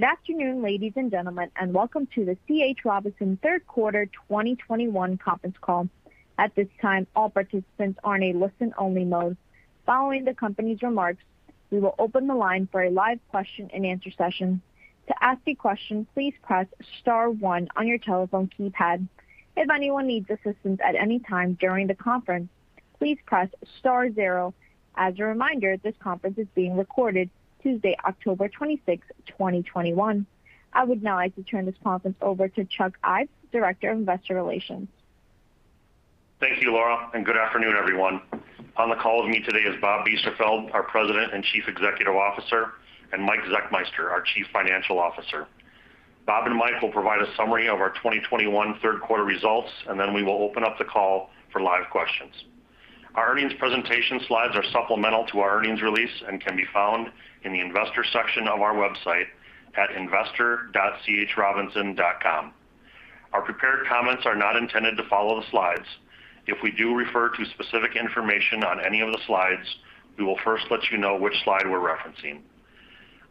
Good afternoon, ladies and gentlemen, and welcome to the C.H. Robinson Q3 2021 conference call. At this time, all participants are in a listen-only mode. Following the company's remarks, we will open the line for a live question-and-answer session. To ask a question, please press star one on your telephone keypad. If anyone needs assistance at any time during the conference, please press star zero. As a reminder, this conference is being recorded Tuesday, October 26, 2021. I would now like to turn this conference over to Chuck Ives, Director of Investor Relations. Thank you, Laura, and good afternoon, everyone. On the call with me today is Bob Biesterfeld, our President and Chief Executive Officer, and Mike Zechmeister, our Chief Financial Officer. Bob and Mike will provide a summary of our 2021 Q3 results, and then we will open up the call for live questions. Our earnings presentation slides are supplemental to our earnings release and can be found in the investor section of our website at investor.chrobinson.com. Our prepared comments are not intended to follow the slides. If we do refer to specific information on any of the slides, we will first let you know which slide we're referencing.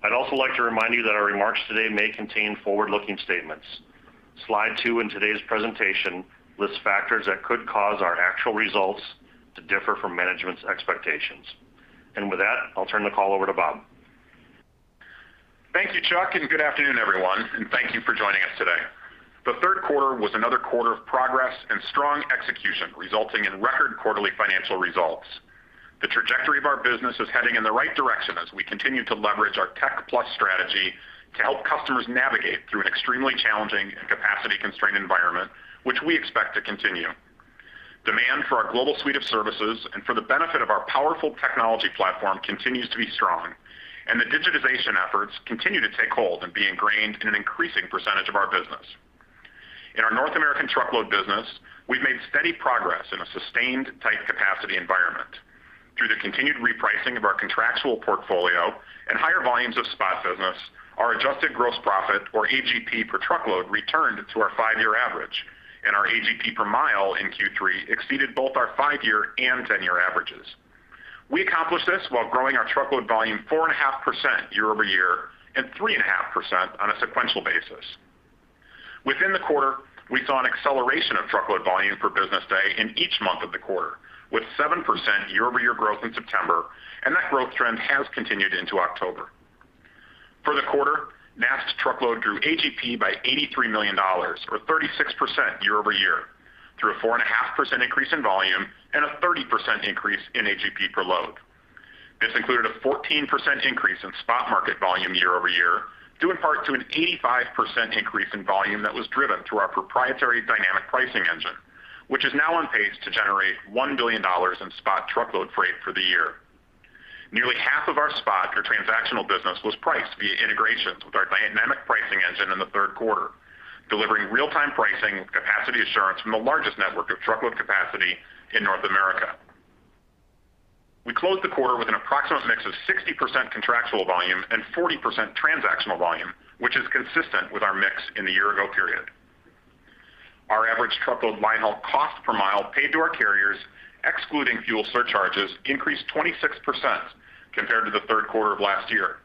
I'd also like to remind you that our remarks today may contain forward-looking statements. Slide two in today's presentation lists factors that could cause our actual results to differ from management's expectations. With that, I'll turn the call over to Bob. Thank you, Chuck, and good afternoon, everyone, and thank you for joining us today. The Q3 was another quarter of progress and strong execution, resulting in record quarterly financial results. The trajectory of our business is heading in the right direction as we continue to leverage our Tech+ strategy to help customers navigate through an extremely challenging and capacity-constrained environment, which we expect to continue. Demand for our global suite of services and for the benefit of our powerful technology platform continues to be strong, and the digitization efforts continue to take hold and be ingrained in an increasing percentage of our business. In our North American truckload business, we've made steady progress in a sustained tight capacity environment. Through the continued repricing of our contractual portfolio and higher volumes of spot business, our adjusted gross profit or AGP per truckload returned to our five-year average, and our AGP per mile in Q3 exceeded both our five-year and 10-year averages. We accomplished this while growing our truckload volume 4.5% year-over-year and 3.5% on a sequential basis. Within the quarter, we saw an acceleration of truckload volume per business day in each month of the quarter, with 7% year-over-year growth in September, and that growth trend has continued into October. For the quarter, NAST truckload grew AGP by $83 million or 36% year-over-year through a 4.5% increase in volume and a 30% increase in AGP per load. This included a 14% increase in spot market volume year-over-year, due in part to an 85% increase in volume that was driven through our proprietary dynamic pricing engine, which is now on pace to generate $1 billion in spot truckload freight for the year. Nearly half of our spot or transactional business was priced via integrations with our dynamic pricing engine in the Q3, delivering real-time pricing capacity assurance from the largest network of truckload capacity in North America. We closed the quarter with an approximate mix of 60% contractual volume and 40% transactional volume, which is consistent with our mix in the year-ago period. Our average truckload linehaul cost per mile paid to our carriers, excluding fuel surcharges, increased 26% compared to the Q3 of last year.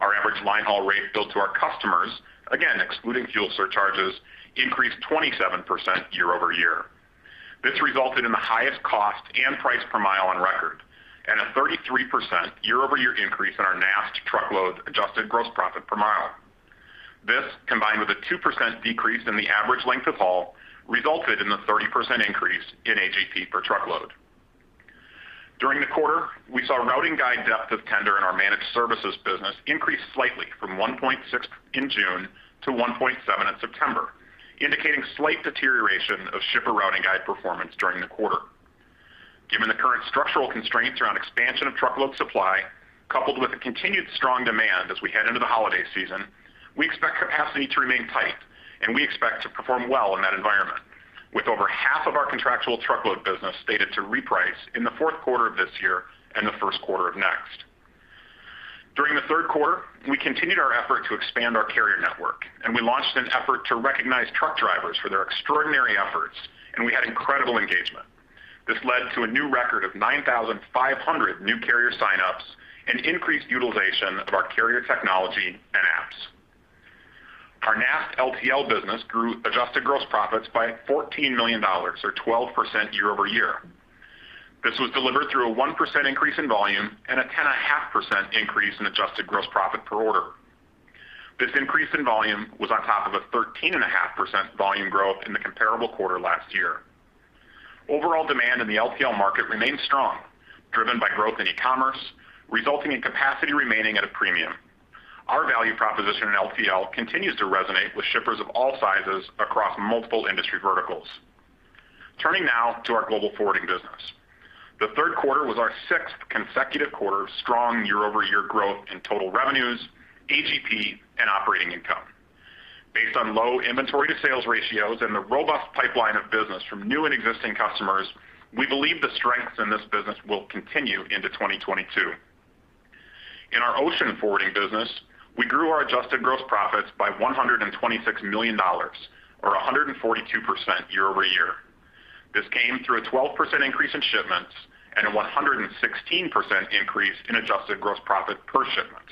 Our average linehaul rate billed to our customers, again, excluding fuel surcharges, increased 27% year-over-year. This resulted in the highest cost and price per mile on record and a 33% year-over-year increase in our NAST truckload adjusted gross profit per mile. This, combined with a 2% decrease in the average length of haul, resulted in the 30% increase in AGP per truckload. During the quarter, we saw routing guide depth of tender in our managed services business increase slightly from 1.6 in June to 1.7 in September, indicating slight deterioration of shipper routing guide performance during the quarter. Given the current structural constraints around expansion of truckload supply, coupled with the continued strong demand as we head into the holiday season, we expect capacity to remain tight, and we expect to perform well in that environment, with over half of our contractual truckload business stated to reprice in the Q4 of this year and the Q1 of next. During the Q3, we continued our effort to expand our carrier network, and we launched an effort to recognize truck drivers for their extraordinary efforts, and we had incredible engagement. This led to a new record of 9,500 new carrier sign-ups and increased utilization of our carrier technology and apps. Our NAST LTL business grew adjusted gross profits by $14 million or 12% year-over-year. This was delivered through a 1% increase in volume and a 10.5% increase in adjusted gross profit per order. This increase in volume was on top of a 13.5% volume growth in the comparable quarter last year. Overall demand in the LTL market remains strong, driven by growth in e-commerce, resulting in capacity remaining at a premium. Our value proposition in LTL continues to resonate with shippers of all sizes across multiple industry verticals. Turning now to our global forwarding business. The Q3 was our sixth consecutive quarter of strong year-over-year growth in total revenues, AGP, and operating income. Based on low inventory to sales ratios and the robust pipeline of business from new and existing customers, we believe the strengths in this business will continue into 2022. In our ocean forwarding business, we grew our adjusted gross profits by $126 million or 142% year-over-year. This came through a 12% increase in shipments and a 116% increase in adjusted gross profit per shipment.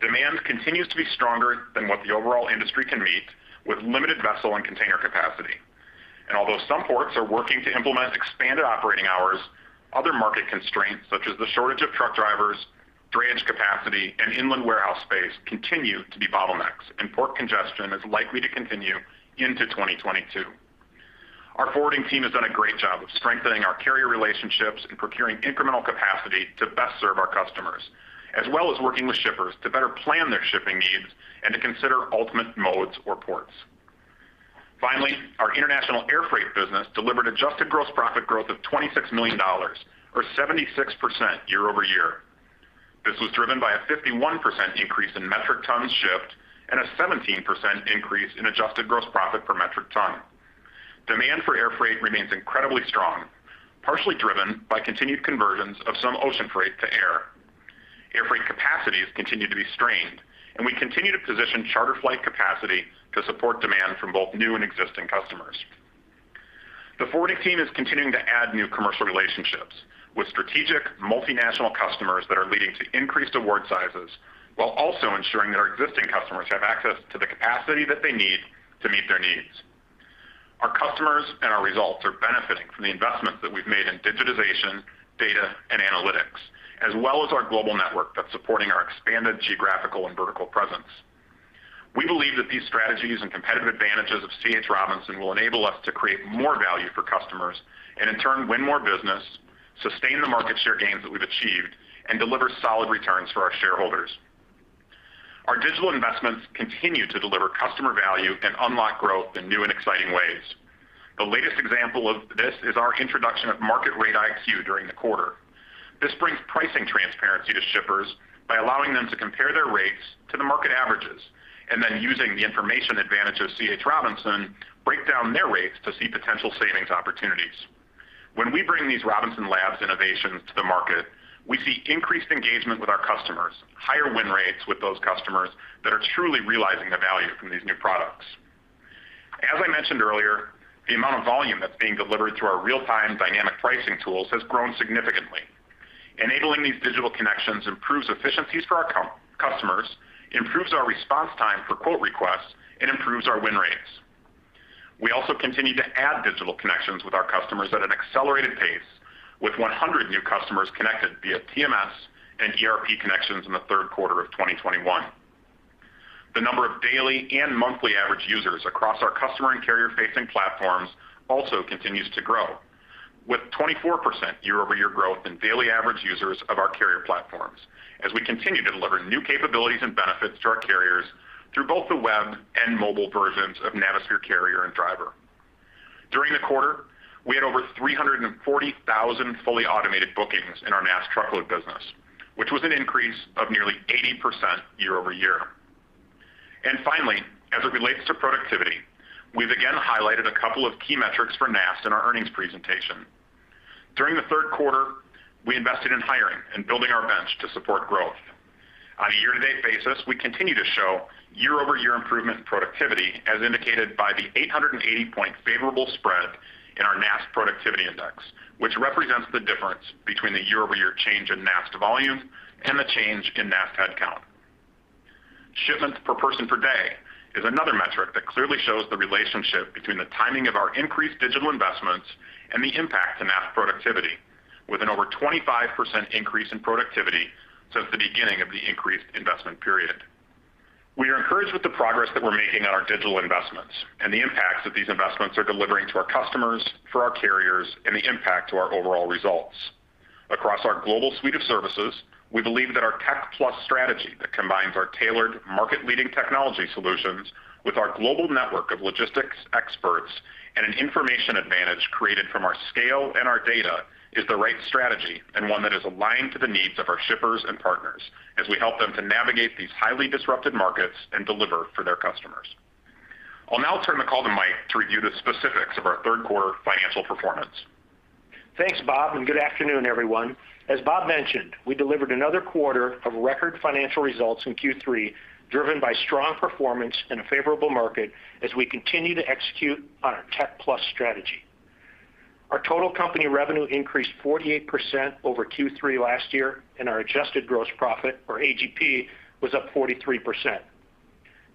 Demand continues to be stronger than what the overall industry can meet with limited vessel and container capacity. Although some ports are working to implement expanded operating hours, other market constraints, such as the shortage of truck drivers, drayage capacity, and inland warehouse space continue to be bottlenecks, and port congestion is likely to continue into 2022. Our forwarding team has done a great job of strengthening our carrier relationships and procuring incremental capacity to best serve our customers, as well as working with shippers to better plan their shipping needs and to consider ultimate modes or ports. Finally, our international airfreight business delivered Adjusted Gross Profit growth of $26 million or 76% year-over-year. This was driven by a 51% increase in metric tons shipped and a 17% increase in Adjusted Gross Profit per metric ton. Demand for airfreight remains incredibly strong, partially driven by continued conversions of some ocean freight to air. Airfreight capacities continue to be strained, and we continue to position charter flight capacity to support demand from both new and existing customers. The forwarding team is continuing to add new commercial relationships with strategic multinational customers that are leading to increased award sizes while also ensuring that our existing customers have access to the capacity that they need to meet their needs. Our customers and our results are benefiting from the investments that we've made in digitization, data, and analytics, as well as our global network that's supporting our expanded geographical and vertical presence. We believe that these strategies and competitive advantages of C.H. Robinson will enable us to create more value for customers and in turn, win more business, sustain the market share gains that we've achieved, and deliver solid returns for our shareholders. Our digital investments continue to deliver customer value and unlock growth in new and exciting ways. The latest example of this is our introduction of Market Rate IQ during the quarter. This brings pricing transparency to shippers by allowing them to compare their rates to the market averages, and then using the information advantage of C.H. Robinson, break down their rates to see potential savings opportunities. When we bring these Robinson Labs innovations to the market, we see increased engagement with our customers, higher win rates with those customers that are truly realizing the value from these new products. As I mentioned earlier, the amount of volume that's being delivered through our real-time dynamic pricing tools has grown significantly. Enabling these digital connections improves efficiencies for our customers, improves our response time for quote requests, and improves our win rates. We also continue to add digital connections with our customers at an accelerated pace with 100 new customers connected via TMS and ERP connections in the Q3 of 2021. The number of daily and monthly average users across our customer and carrier-facing platforms also continues to grow with 24% year-over-year growth in daily average users of our carrier platforms as we continue to deliver new capabilities and benefits to our carriers through both the web and mobile versions of Navisphere Carrier and Driver. During the quarter, we had over 340,000 fully automated bookings in our NAST truckload business, which was an increase of nearly 80% year-over-year. Finally, as it relates to productivity, we've again highlighted a couple of key metrics for NAST in our earnings presentation. During the Q3, we invested in hiring and building our bench to support growth. On a year-to-date basis, we continue to show year-over-year improvement in productivity, as indicated by the 880-point favorable spread in our NAST productivity index, which represents the difference between the year-over-year change in NAST volume and the change in NAST headcount. Shipments per person per day is another metric that clearly shows the relationship between the timing of our increased digital investments and the impact to NAST productivity with an over 25% increase in productivity since the beginning of the increased investment period. We are encouraged with the progress that we're making on our digital investments and the impacts that these investments are delivering to our customers, for our carriers, and the impact to our overall results. Across our global suite of services, we believe that our Tech+ strategy that combines our tailored market-leading technology solutions with our global network of logistics experts and an information advantage created from our scale and our data is the right strategy and one that is aligned to the needs of our shippers and partners as we help them to navigate these highly disrupted markets and deliver for their customers. I'll now turn the call to Mike to review the specifics of our Q3 financial performance. Thanks, Bob, and good afternoon, everyone. As Bob mentioned, we delivered another quarter of record financial results in Q3, driven by strong performance in a favorable market as we continue to execute on our Tech+ strategy. Our total company revenue increased 48% over Q3 last year, and our adjusted gross profit or AGP was up 43%.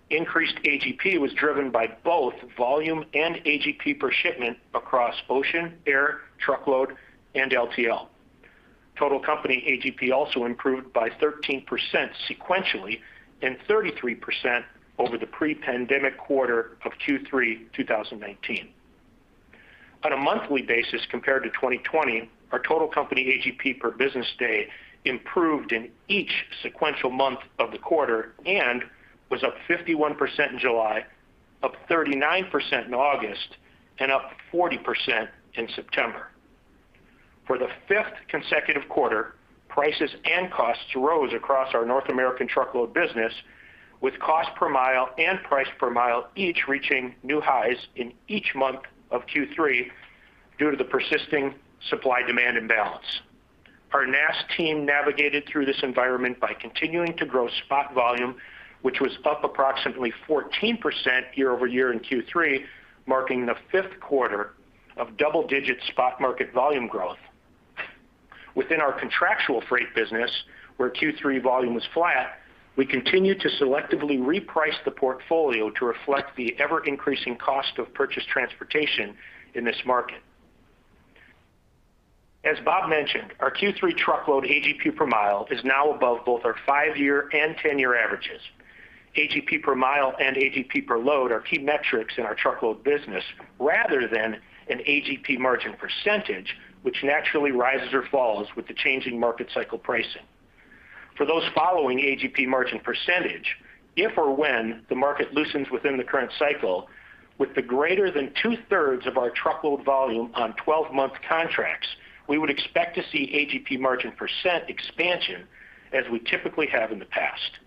Increased AGP was driven by both volume and AGP per shipment across ocean, air, truckload, and LTL. Total company AGP also improved by 13% sequentially and 33% over the pre-pandemic quarter of Q3 2019. On a monthly basis, compared to 2020, our total company AGP per business day improved in each sequential month of the quarter and was up 51% in July, up 39% in August, and up 40% in September. For the fifth consecutive quarter, prices and costs rose across our North American truckload business, with cost per mile and price per mile each reaching new highs in each month of Q3 due to the persisting supply-demand imbalance. Our NAST team navigated through this environment by continuing to grow spot volume, which was up approximately 14% year-over-year in Q3, marking the Q5 of double-digit spot market volume growth. Within our contractual freight business, where Q3 volume was flat, we continued to selectively reprice the portfolio to reflect the ever-increasing cost of purchase transportation in this market. As Bob mentioned, our Q3 truckload AGP per mile is now above both our five-year and 10-year averages. AGP per mile and AGP per load are key metrics in our truckload business rather than an AGP margin percentage, which naturally rises or falls with the changing market cycle pricing. For those following AGP margin %, if or when the market loosens within the current cycle, with the greater than two-thirds of our truckload volume on 12-month contracts, we would expect to see AGP margin % expansion as we typically have in the past.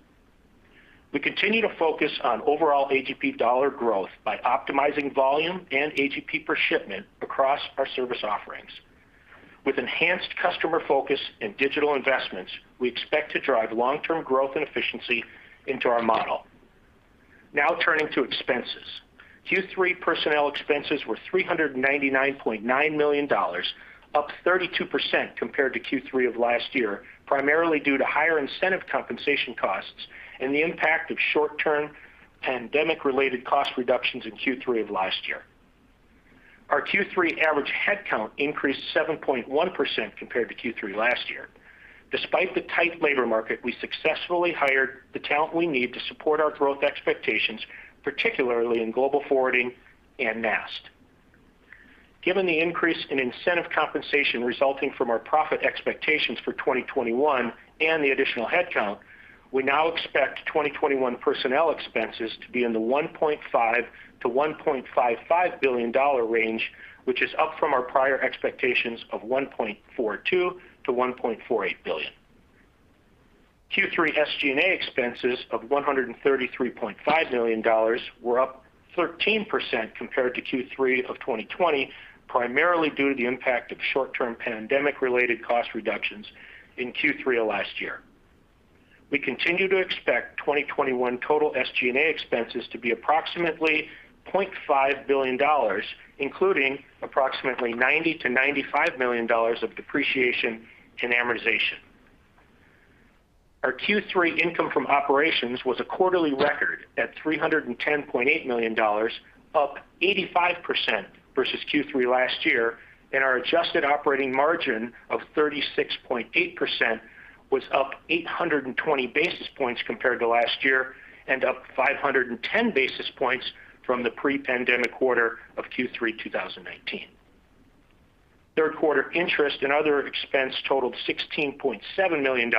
We continue to focus on overall AGP dollar growth by optimizing volume and AGP per shipment across our service offerings. With enhanced customer focus and digital investments, we expect to drive long-term growth and efficiency into our model. Now turning to expenses. Q3 personnel expenses were $399.9 million, up 32% compared to Q3 of last year, primarily due to higher incentive compensation costs and the impact of short-term pandemic-related cost reductions in Q3 of last year. Our Q3 average headcount increased 7.1% compared to Q3 last year. Despite the tight labor market, we successfully hired the talent we need to support our growth expectations, particularly in global forwarding and NAST. Given the increase in incentive compensation resulting from our profit expectations for 2021 and the additional headcount, we now expect 2021 personnel expenses to be in the $1.5-$1.55 billion range, which is up from our prior expectations of $1.42-$1.48 billion. Q3 SG&A expenses of $133.5 million were up 13% compared to Q3 of 2020, primarily due to the impact of short-term pandemic-related cost reductions in Q3 of last year. We continue to expect 2021 total SG&A expenses to be approximately $0.5 billion, including approximately $90-$95 million of depreciation and amortization. Our Q3 income from operations was a quarterly record at $310.8 million, up 85% versus Q3 last year, and our adjusted operating margin of 36.8% was up 820 basis points compared to last year and up 510 basis points from the pre-pandemic quarter of Q3 2019. Q3 interest and other expense totaled $16.7 million,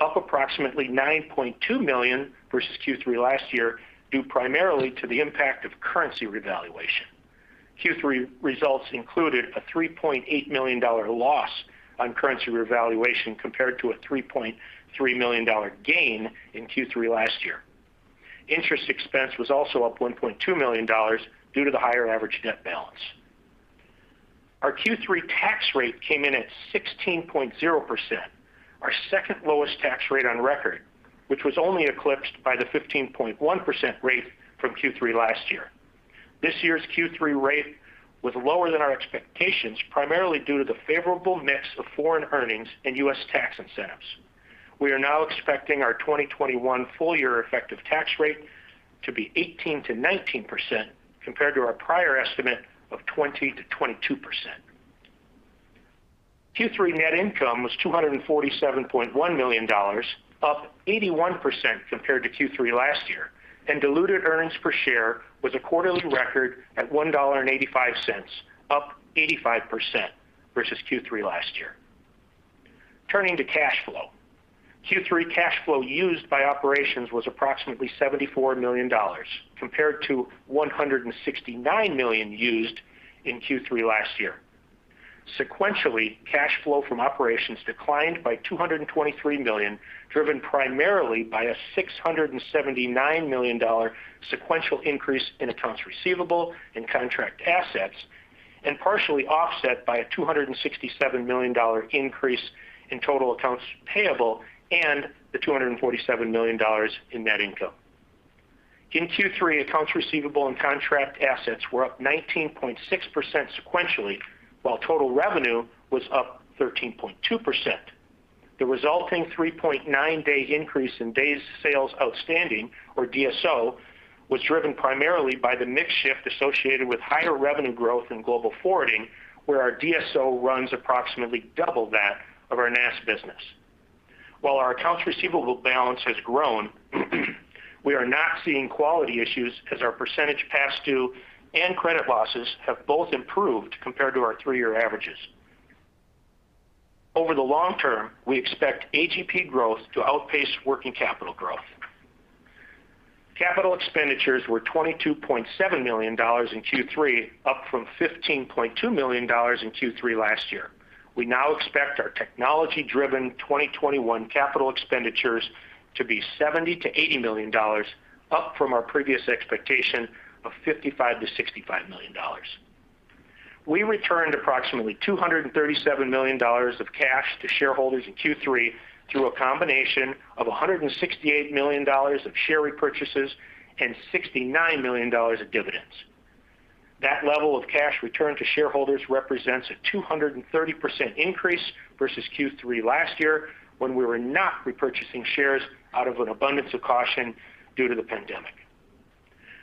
up approximately $9.2 million versus Q3 last year, due primarily to the impact of currency revaluation. Q3 results included a $3.8 million loss on currency revaluation compared to a $3.3 million gain in Q3 last year. Interest expense was also up $1.2 million due to the higher average debt balance. Our Q3 tax rate came in at 16.0%, our second lowest tax rate on record, which was only eclipsed by the 15.1% rate from Q3 last year. This year's Q3 rate was lower than our expectations, primarily due to the favorable mix of foreign earnings and U.S. tax incentives. We are now expecting our 2021 full-year effective tax rate to be 18%-19% compared to our prior estimate of 20%-22%. Q3 net income was $247.1 million, up 81% compared to Q3 last year, and diluted earnings per share was a quarterly record at $1.85, up 85% versus Q3 last year. Turning to cash flow. Q3 cash flow used by operations was approximately $74 million compared to $169 million used in Q3 last year. Sequentially, cash flow from operations declined by $223 million, driven primarily by a $679 million sequential increase in accounts receivable and contract assets, and partially offset by a $267 million increase in total accounts payable and the $247 million in net income. In Q3, accounts receivable and contract assets were up 19.6% sequentially, while total revenue was up 13.2%. The resulting 3.9-day increase in days sales outstanding, or DSO, was driven primarily by the mix shift associated with higher revenue growth in global forwarding, where our DSO runs approximately double that of our NAST business. While our accounts receivable balance has grown, we are not seeing quality issues as our percentage past due and credit losses have both improved compared to our three-year averages. Over the long term, we expect AGP growth to outpace working capital growth. Capital expenditures were $22.7 million in Q3, up from $15.2 million in Q3 last year. We now expect our technology-driven 2021 capital expenditures to be $70-$80 million, up from our previous expectation of $55-$65 million. We returned approximately $237 million of cash to shareholders in Q3 through a combination of $168 million of share repurchases and $69 million of dividends. That level of cash return to shareholders represents a 230% increase versus Q3 last year when we were not repurchasing shares out of an abundance of caution due to the pandemic.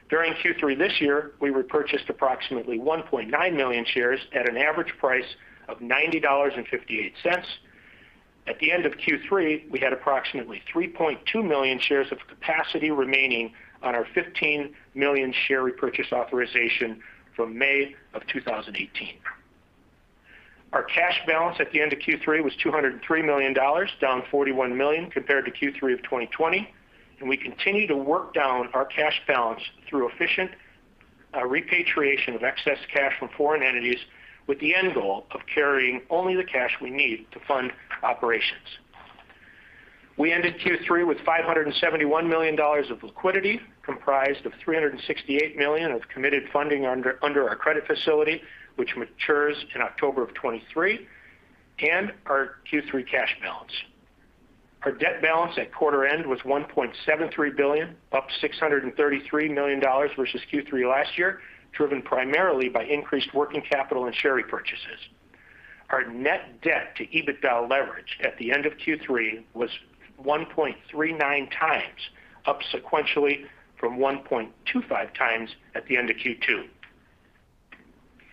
During Q3 this year, we repurchased approximately 1.9 million shares at an average price of $90.58. At the end of Q3, we had approximately 3.2 million shares of capacity remaining on our 15 million share repurchase authorization from May of 2018. Our cash balance at the end of Q3 was $203 million, down $41 million compared to Q3 of 2020, and we continue to work down our cash balance through efficient repatriation of excess cash from foreign entities, with the end goal of carrying only the cash we need to fund operations. We ended Q3 with $571 million of liquidity, comprised of $368 million of committed funding under our credit facility, which matures in October 2023, and our Q3 cash balance. Our debt balance at quarter end was $1.73 billion, up $633 million versus Q3 last year, driven primarily by increased working capital and share repurchases. Our net debt to EBITDA leverage at the end of Q3 was 1.39 times, up sequentially from 1.25 times at the end of Q2.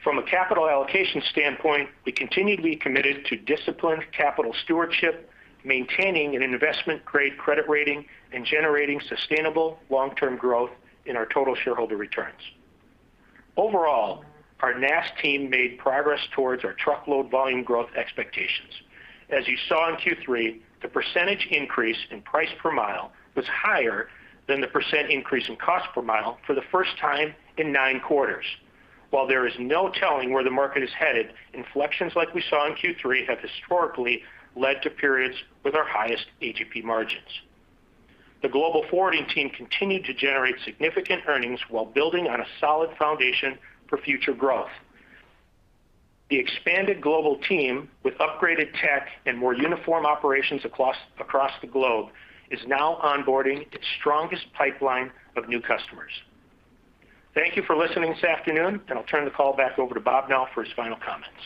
From a capital allocation standpoint, we continue to be committed to disciplined capital stewardship, maintaining an investment-grade credit rating, and generating sustainable long-term growth in our total shareholder returns. Overall, our NAST team made progress towards our truckload volume growth expectations. As you saw in Q3, the percentage increase in price per mile was higher than the percent increase in cost per mile for the first time in nine quarters. While there is no telling where the market is headed, inflections like we saw in Q3 have historically led to periods with our highest AGP margins. The global forwarding team continued to generate significant earnings while building on a solid foundation for future growth. The expanded global team with upgraded tech and more uniform operations across the globe is now onboarding its strongest pipeline of new customers. Thank you for listening this afternoon, and I'll turn the call back over to Bob now for his final comments.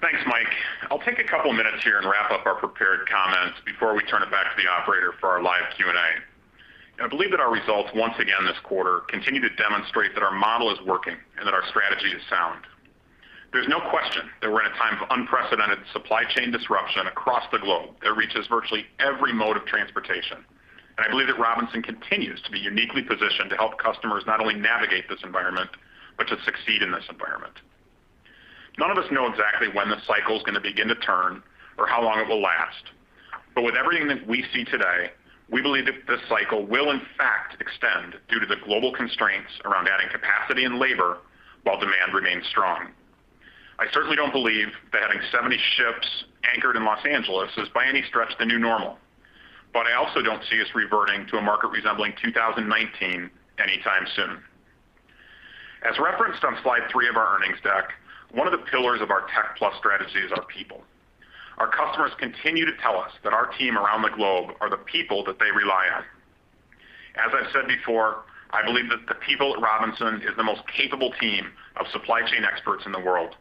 Thanks, Mike. I'll take a couple of minutes here and wrap up our prepared comments before we turn it back to the operator for our live Q&A. I believe that our results once again this quarter continue to demonstrate that our model is working and that our strategy is sound. There's no question that we're in a time of unprecedented supply chain disruption across the globe that reaches virtually every mode of transportation. I believe that Robinson continues to be uniquely positioned to help customers not only navigate this environment, but to succeed in this environment. None of us know exactly when the cycle is going to begin to turn or how long it will last. With everything that we see today, we believe that this cycle will in fact extend due to the global constraints around adding capacity and labor while demand remains strong. I certainly don't believe that having 70 ships anchored in Los Angeles is by any stretch the new normal. I also don't see us reverting to a market resembling 2019 anytime soon. As referenced on slide three of our earnings deck, one of the pillars of our Tech+ strategy is our people. Our customers continue to tell us that our team around the globe are the people that they rely on. As I've said before, I believe that the people at Robinson is the most capable team of supply chain experts in the world.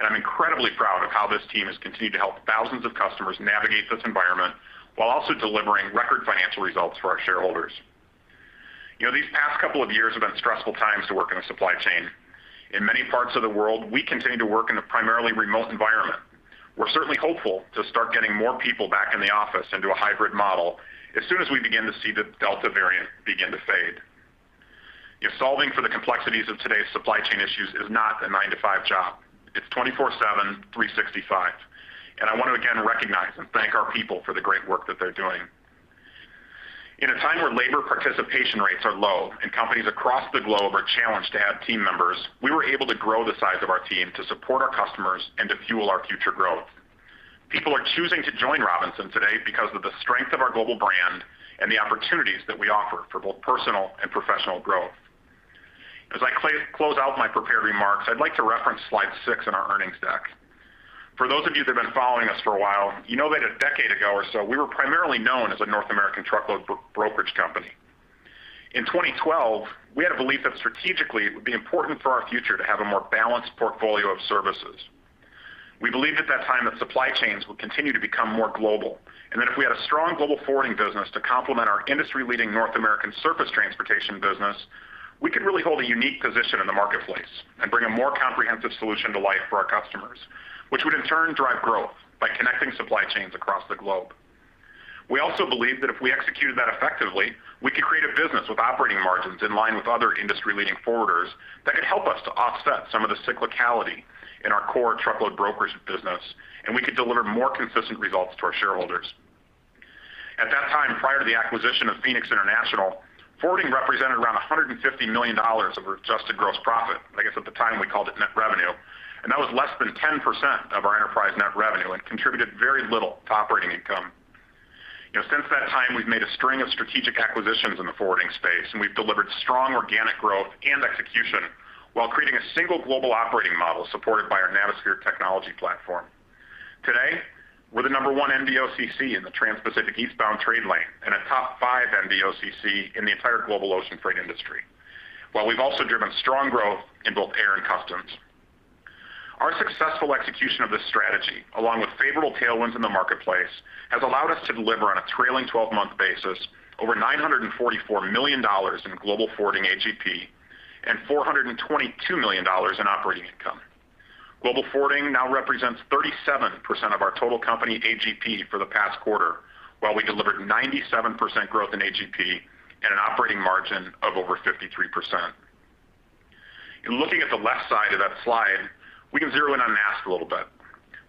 I'm incredibly proud of how this team has continued to help thousands of customers navigate this environment while also delivering record financial results for our shareholders. You know, these past couple of years have been stressful times to work in a supply chain. In many parts of the world, we continue to work in a primarily remote environment. We're certainly hopeful to start getting more people back in the office into a hybrid model as soon as we begin to see the Delta variant begin to fade. You know, solving for the complexities of today's supply chain issues is not a nine-to-five job. It's 24/7, 365. I want to again recognize and thank our people for the great work that they're doing. In a time where labor participation rates are low and companies across the globe are challenged to add team members, we were able to grow the size of our team to support our customers and to fuel our future growth. People are choosing to join Robinson today because of the strength of our global brand and the opportunities that we offer for both personal and professional growth. As I close out my prepared remarks, I'd like to reference slide six in our earnings deck. For those of you that have been following us for a while, you know that a decade ago or so, we were primarily known as a North American truckload brokerage company. In 2012, we had a belief that strategically it would be important for our future to have a more balanced portfolio of services. We believed at that time that supply chains would continue to become more global, and that if we had a strong global forwarding business to complement our industry-leading North American surface transportation business, we could really hold a unique position in the marketplace and bring a more comprehensive solution to life for our customers, which would in turn drive growth by connecting supply chains across the globe. We also believed that if we executed that effectively, we could create a business with operating margins in line with other industry-leading forwarders that could help us to offset some of the cyclicality in our core truckload brokerage business, and we could deliver more consistent results to our shareholders. At that time, prior to the acquisition of Phoenix International, forwarding represented around $150 million of adjusted gross profit. I guess at the time we called it net revenue, and that was less than 10% of our enterprise net revenue and contributed very little to operating income. Since that time, we've made a string of strategic acquisitions in the forwarding space, and we've delivered strong organic growth and execution while creating a single global operating model supported by our Navisphere technology platform. Today, we're the number one NVOCC in the transpacific eastbound trade lane and a top five NVOCC in the entire global ocean freight industry, while we've also driven strong growth in both air and customs. Our successful execution of this strategy, along with favorable tailwinds in the marketplace, has allowed us to deliver on a trailing twelve-month basis over $944 million in global forwarding AGP and $422 million in operating income. Global forwarding now represents 37% of our total company AGP for the past quarter, while we delivered 97% growth in AGP and an operating margin of over 53%. In looking at the left side of that slide, we can zero in on NAST a little bit.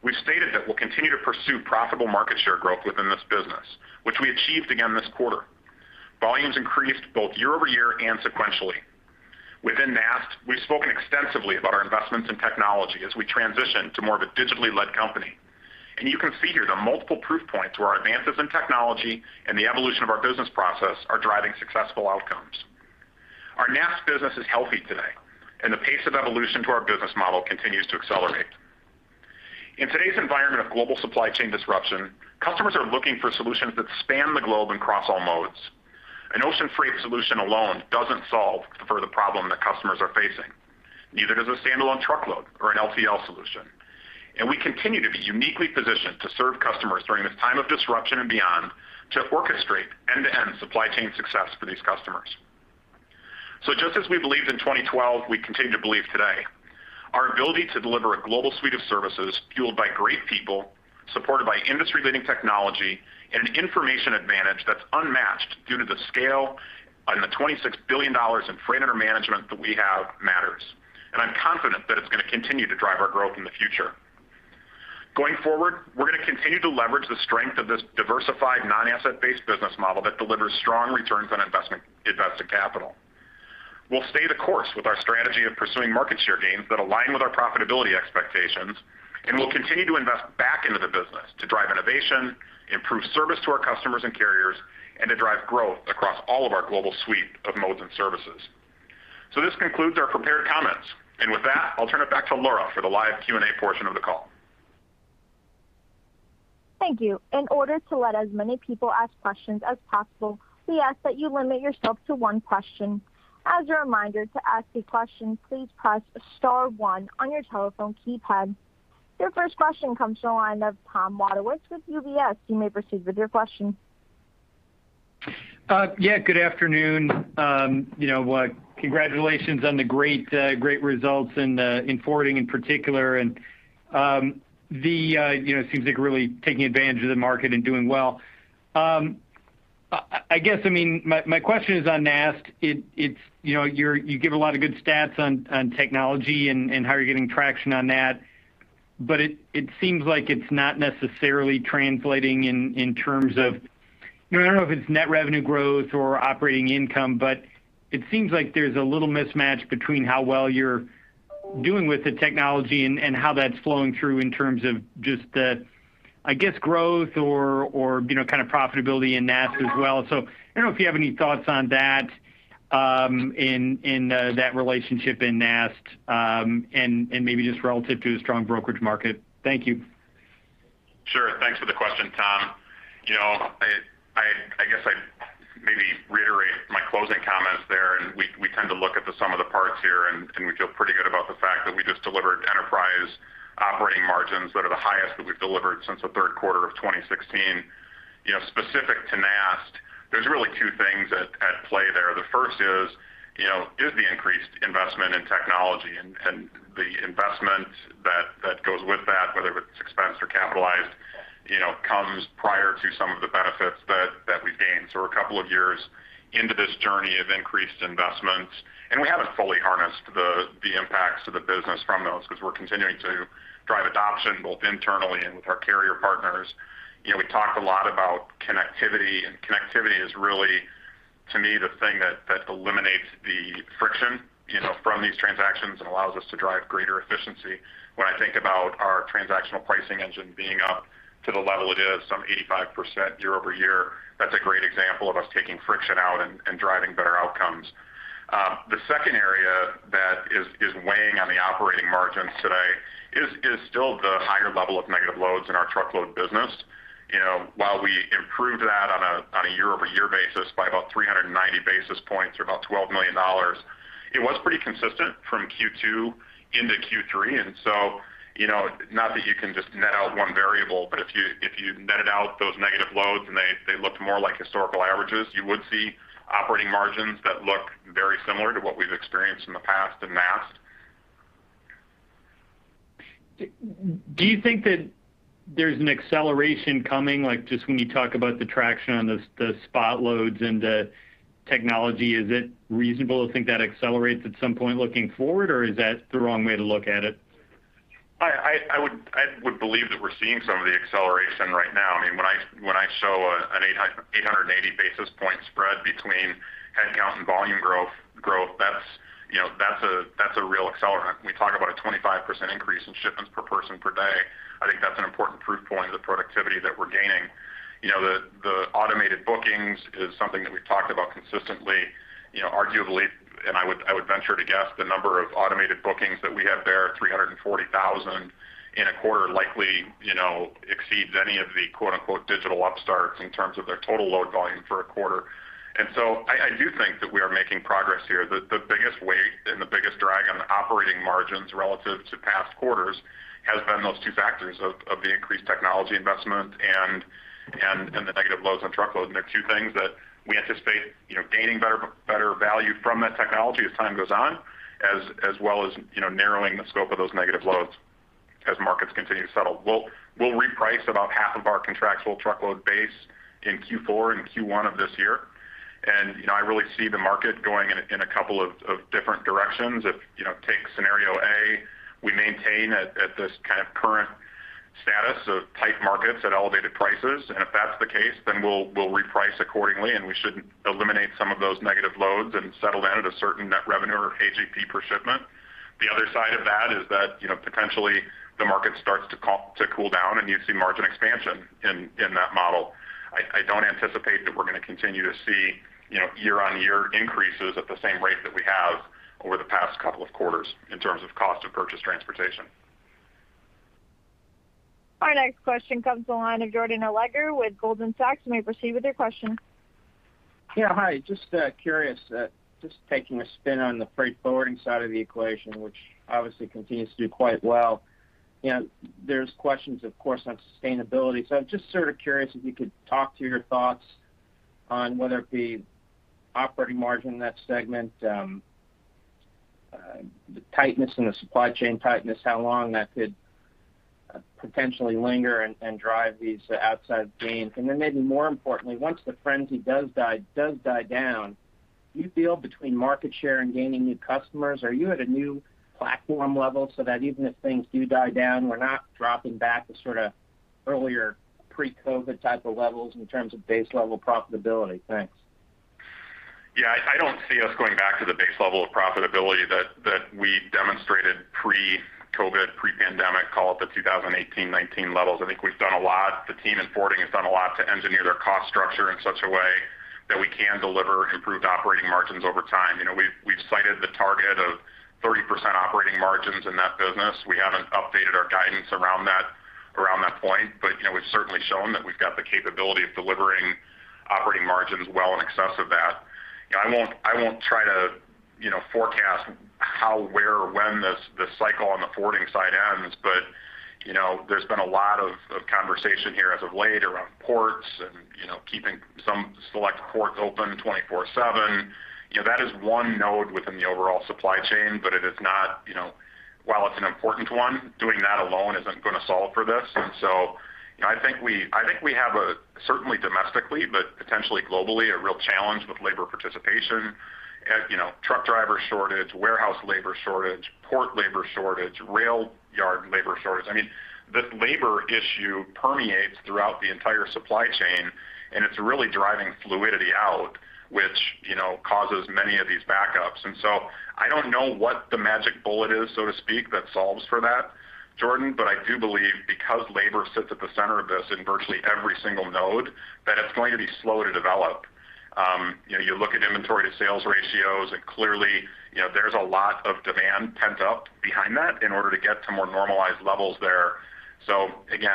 We've stated that we'll continue to pursue profitable market share growth within this business, which we achieved again this quarter. Volumes increased both year over year and sequentially. Within NAST, we've spoken extensively about our investments in technology as we transition to more of a digitally led company. You can see here the multiple proof points where our advances in technology and the evolution of our business process are driving successful outcomes. Our NAST business is healthy today, and the pace of evolution to our business model continues to accelerate. In today's environment of global supply chain disruption, customers are looking for solutions that span the globe and cross all modes. An ocean freight solution alone doesn't solve for the problem that customers are facing. Neither does a standalone truckload or an LTL solution. We continue to be uniquely positioned to serve customers during this time of disruption and beyond to orchestrate end-to-end supply chain success for these customers. Just as we believed in 2012, we continue to believe today, our ability to deliver a global suite of services fueled by great people, supported by industry-leading technology and an information advantage that's unmatched due to the scale and the $26 billion in freight under management that we have matters. I'm confident that it's going to continue to drive our growth in the future. Going forward, we're going to continue to leverage the strength of this diversified non-asset-based business model that delivers strong returns on investment, invested capital. We'll stay the course with our strategy of pursuing market share gains that align with our profitability expectations, and we'll continue to invest back into the business to drive innovation, improve service to our customers and carriers, and to drive growth across all of our global suite of modes and services. This concludes our prepared comments. With that, I'll turn it back to Laura for the live Q&A portion of the call. Thank you. In order to let as many people ask questions as possible, we ask that you limit yourself to one question. As a reminder, to ask a question, please press star one on your telephone keypad. Your first question comes to the line of Thomas Wadewitz with UBS. You may proceed with your question. Yeah, good afternoon. You know, congratulations on the great results in forwarding in particular. You know, it seems like you're really taking advantage of the market and doing well. I guess, I mean, my question is on NAST. It's, you know, you give a lot of good stats on technology and how you're getting traction on that. But it seems like it's not necessarily translating in terms of, you know, I don't know if it's net revenue growth or operating income, but it seems like there's a little mismatch between how well you're doing with the technology and how that's flowing through in terms of just the growth or, you know, kind of profitability in NAST as well. I don't know if you have any thoughts on that, in that relationship in NAST, and maybe just relative to the strong brokerage market. Thank you. Sure. Thanks for the question, Tom. You know, I guess I'd maybe reiterate my closing comments there, and we tend to look at the sum of the parts here, and we feel pretty good about the fact that we just delivered enterprise operating margins that are the highest that we've delivered since the Q3 of 2016. You know, specific to NAST, there's really two things at play there. The first, you know, is the increased investment in technology and the investment that goes with that, whether it's expense or capitalized, you know, comes prior to some of the benefits that we've gained. We're a couple of years into this journey of increased investments, and we haven't fully harnessed the impacts to the business from those because we're continuing to drive adoption both internally and with our carrier partners. You know, we talked a lot about connectivity, and connectivity is really, to me, the thing that eliminates the friction, you know, from these transactions and allows us to drive greater efficiency. When I think about our transactional pricing engine being up to the level it is, some 85% year-over-year, that's a great example of us taking friction out and driving better outcomes. The second area that is weighing on the operating margins today is still the higher level of negative loads in our truckload business. You know, while we improved that on a year-over-year basis by about 390-basis points or about $12 million, it was pretty consistent from Q2 into Q3. You know, not that you can just net out one variable, but if you netted out those negative loads, and they looked more like historical averages, you would see operating margins that look very similar to what we've experienced in the past in NAST. Do you think that there's an acceleration coming? Like, just when you talk about the spot loads and the technology, is it reasonable to think that accelerates at some point looking forward, or is that the wrong way to look at it? I would believe that we're seeing some of the acceleration right now. I mean, when I show an 880-basis point spread between headcount and volume growth, that's per person per day. I think that's an important proof point of the productivity that we're gaining. You know, the automated bookings is something that we've talked about consistently, you know, arguably, and I would venture to guess the number of automated bookings that we have there, 340,000 in a quarter likely exceeds any of the quote unquote digital upstarts in terms of their total load volume for a quarter. I do think that we are making progress here. The biggest weight and the biggest drag on operating margins relative to past quarters has been those two factors of the increased technology investment and the negative loads on truckload. They're two things that we anticipate, you know, gaining better value from that technology as time goes on, as well as, you know, narrowing the scope of those negative loads as markets continue to settle. We'll reprice about half of our contractual truckload base in Q4 and Q1 of this year. You know, I really see the market going in a couple of different directions. If you know, take scenario A, we maintain at this kind of current status of tight markets at elevated prices. If that's the case, then we'll reprice accordingly, and we should eliminate some of those negative loads and settle down at a certain net revenue or AGP per shipment. The other side of that is that, you know, potentially the market starts to cool down, and you see margin expansion in that model. I don't anticipate that we're going to continue to see, you know, year-on-year increases at the same rate that we have over the past couple of quarters in terms of cost of purchased transportation. Our next question comes on the line of Jordan Alliger with Goldman Sachs. You may proceed with your question. Yeah, hi. Just curious, just taking a spin on the freight forwarding side of the equation, which obviously continues to do quite well. You know, there's questions, of course, on sustainability. I'm just sort of curious if you could talk to your thoughts on whether it be operating margin in that segment, the tightness in the supply chain, how long that could potentially linger and drive these upside gains. Maybe more importantly, once the frenzy does die down, do you feel between market share and gaining new customers, are you at a new platform level so that even if things do die down, we're not dropping back to sort of earlier pre-COVID type of levels in terms of base level profitability? Thanks. Yeah, I don't see us going back to the base level of profitability that we demonstrated pre-COVID, pre-pandemic, call it the 2018, 2019 levels. I think we've done a lot. The team in forwarding has done a lot to engineer their cost structure in such a way that we can deliver improved operating margins over time. You know, we've cited the target of 30% operating margins in that business. We haven't updated our guidance around that point, but, you know, we've certainly shown that we've got the capability of delivering operating margins well in excess of that. You know, I won't try to, you know, forecast how, where, or when this cycle on the forwarding side ends. You know, there's been a lot of conversation here as of late around ports and, you know, keeping some select ports open 24/7. You know, that is one node within the overall supply chain, but it is not, you know, while it's an important one, doing that alone isn't going to solve for this. You know, I think we have a certainly domestically, but potentially globally, a real challenge with labor participation. You know, truck driver shortage, warehouse labor shortage, port labor shortage, rail yard labor shortage. I mean, this labor issue permeates throughout the entire supply chain, and it's really driving fluidity out, which, you know, causes many of these backups. I don't know what the magic bullet is, so to speak, that solves for that, Jordan, but I do believe because labor sits at the center of this in virtually every single node, that it's going to be slow to develop. You know, you look at inventory to sales ratios, and clearly, you know, there's a lot of demand pent up behind that in order to get to more normalized levels there. Again,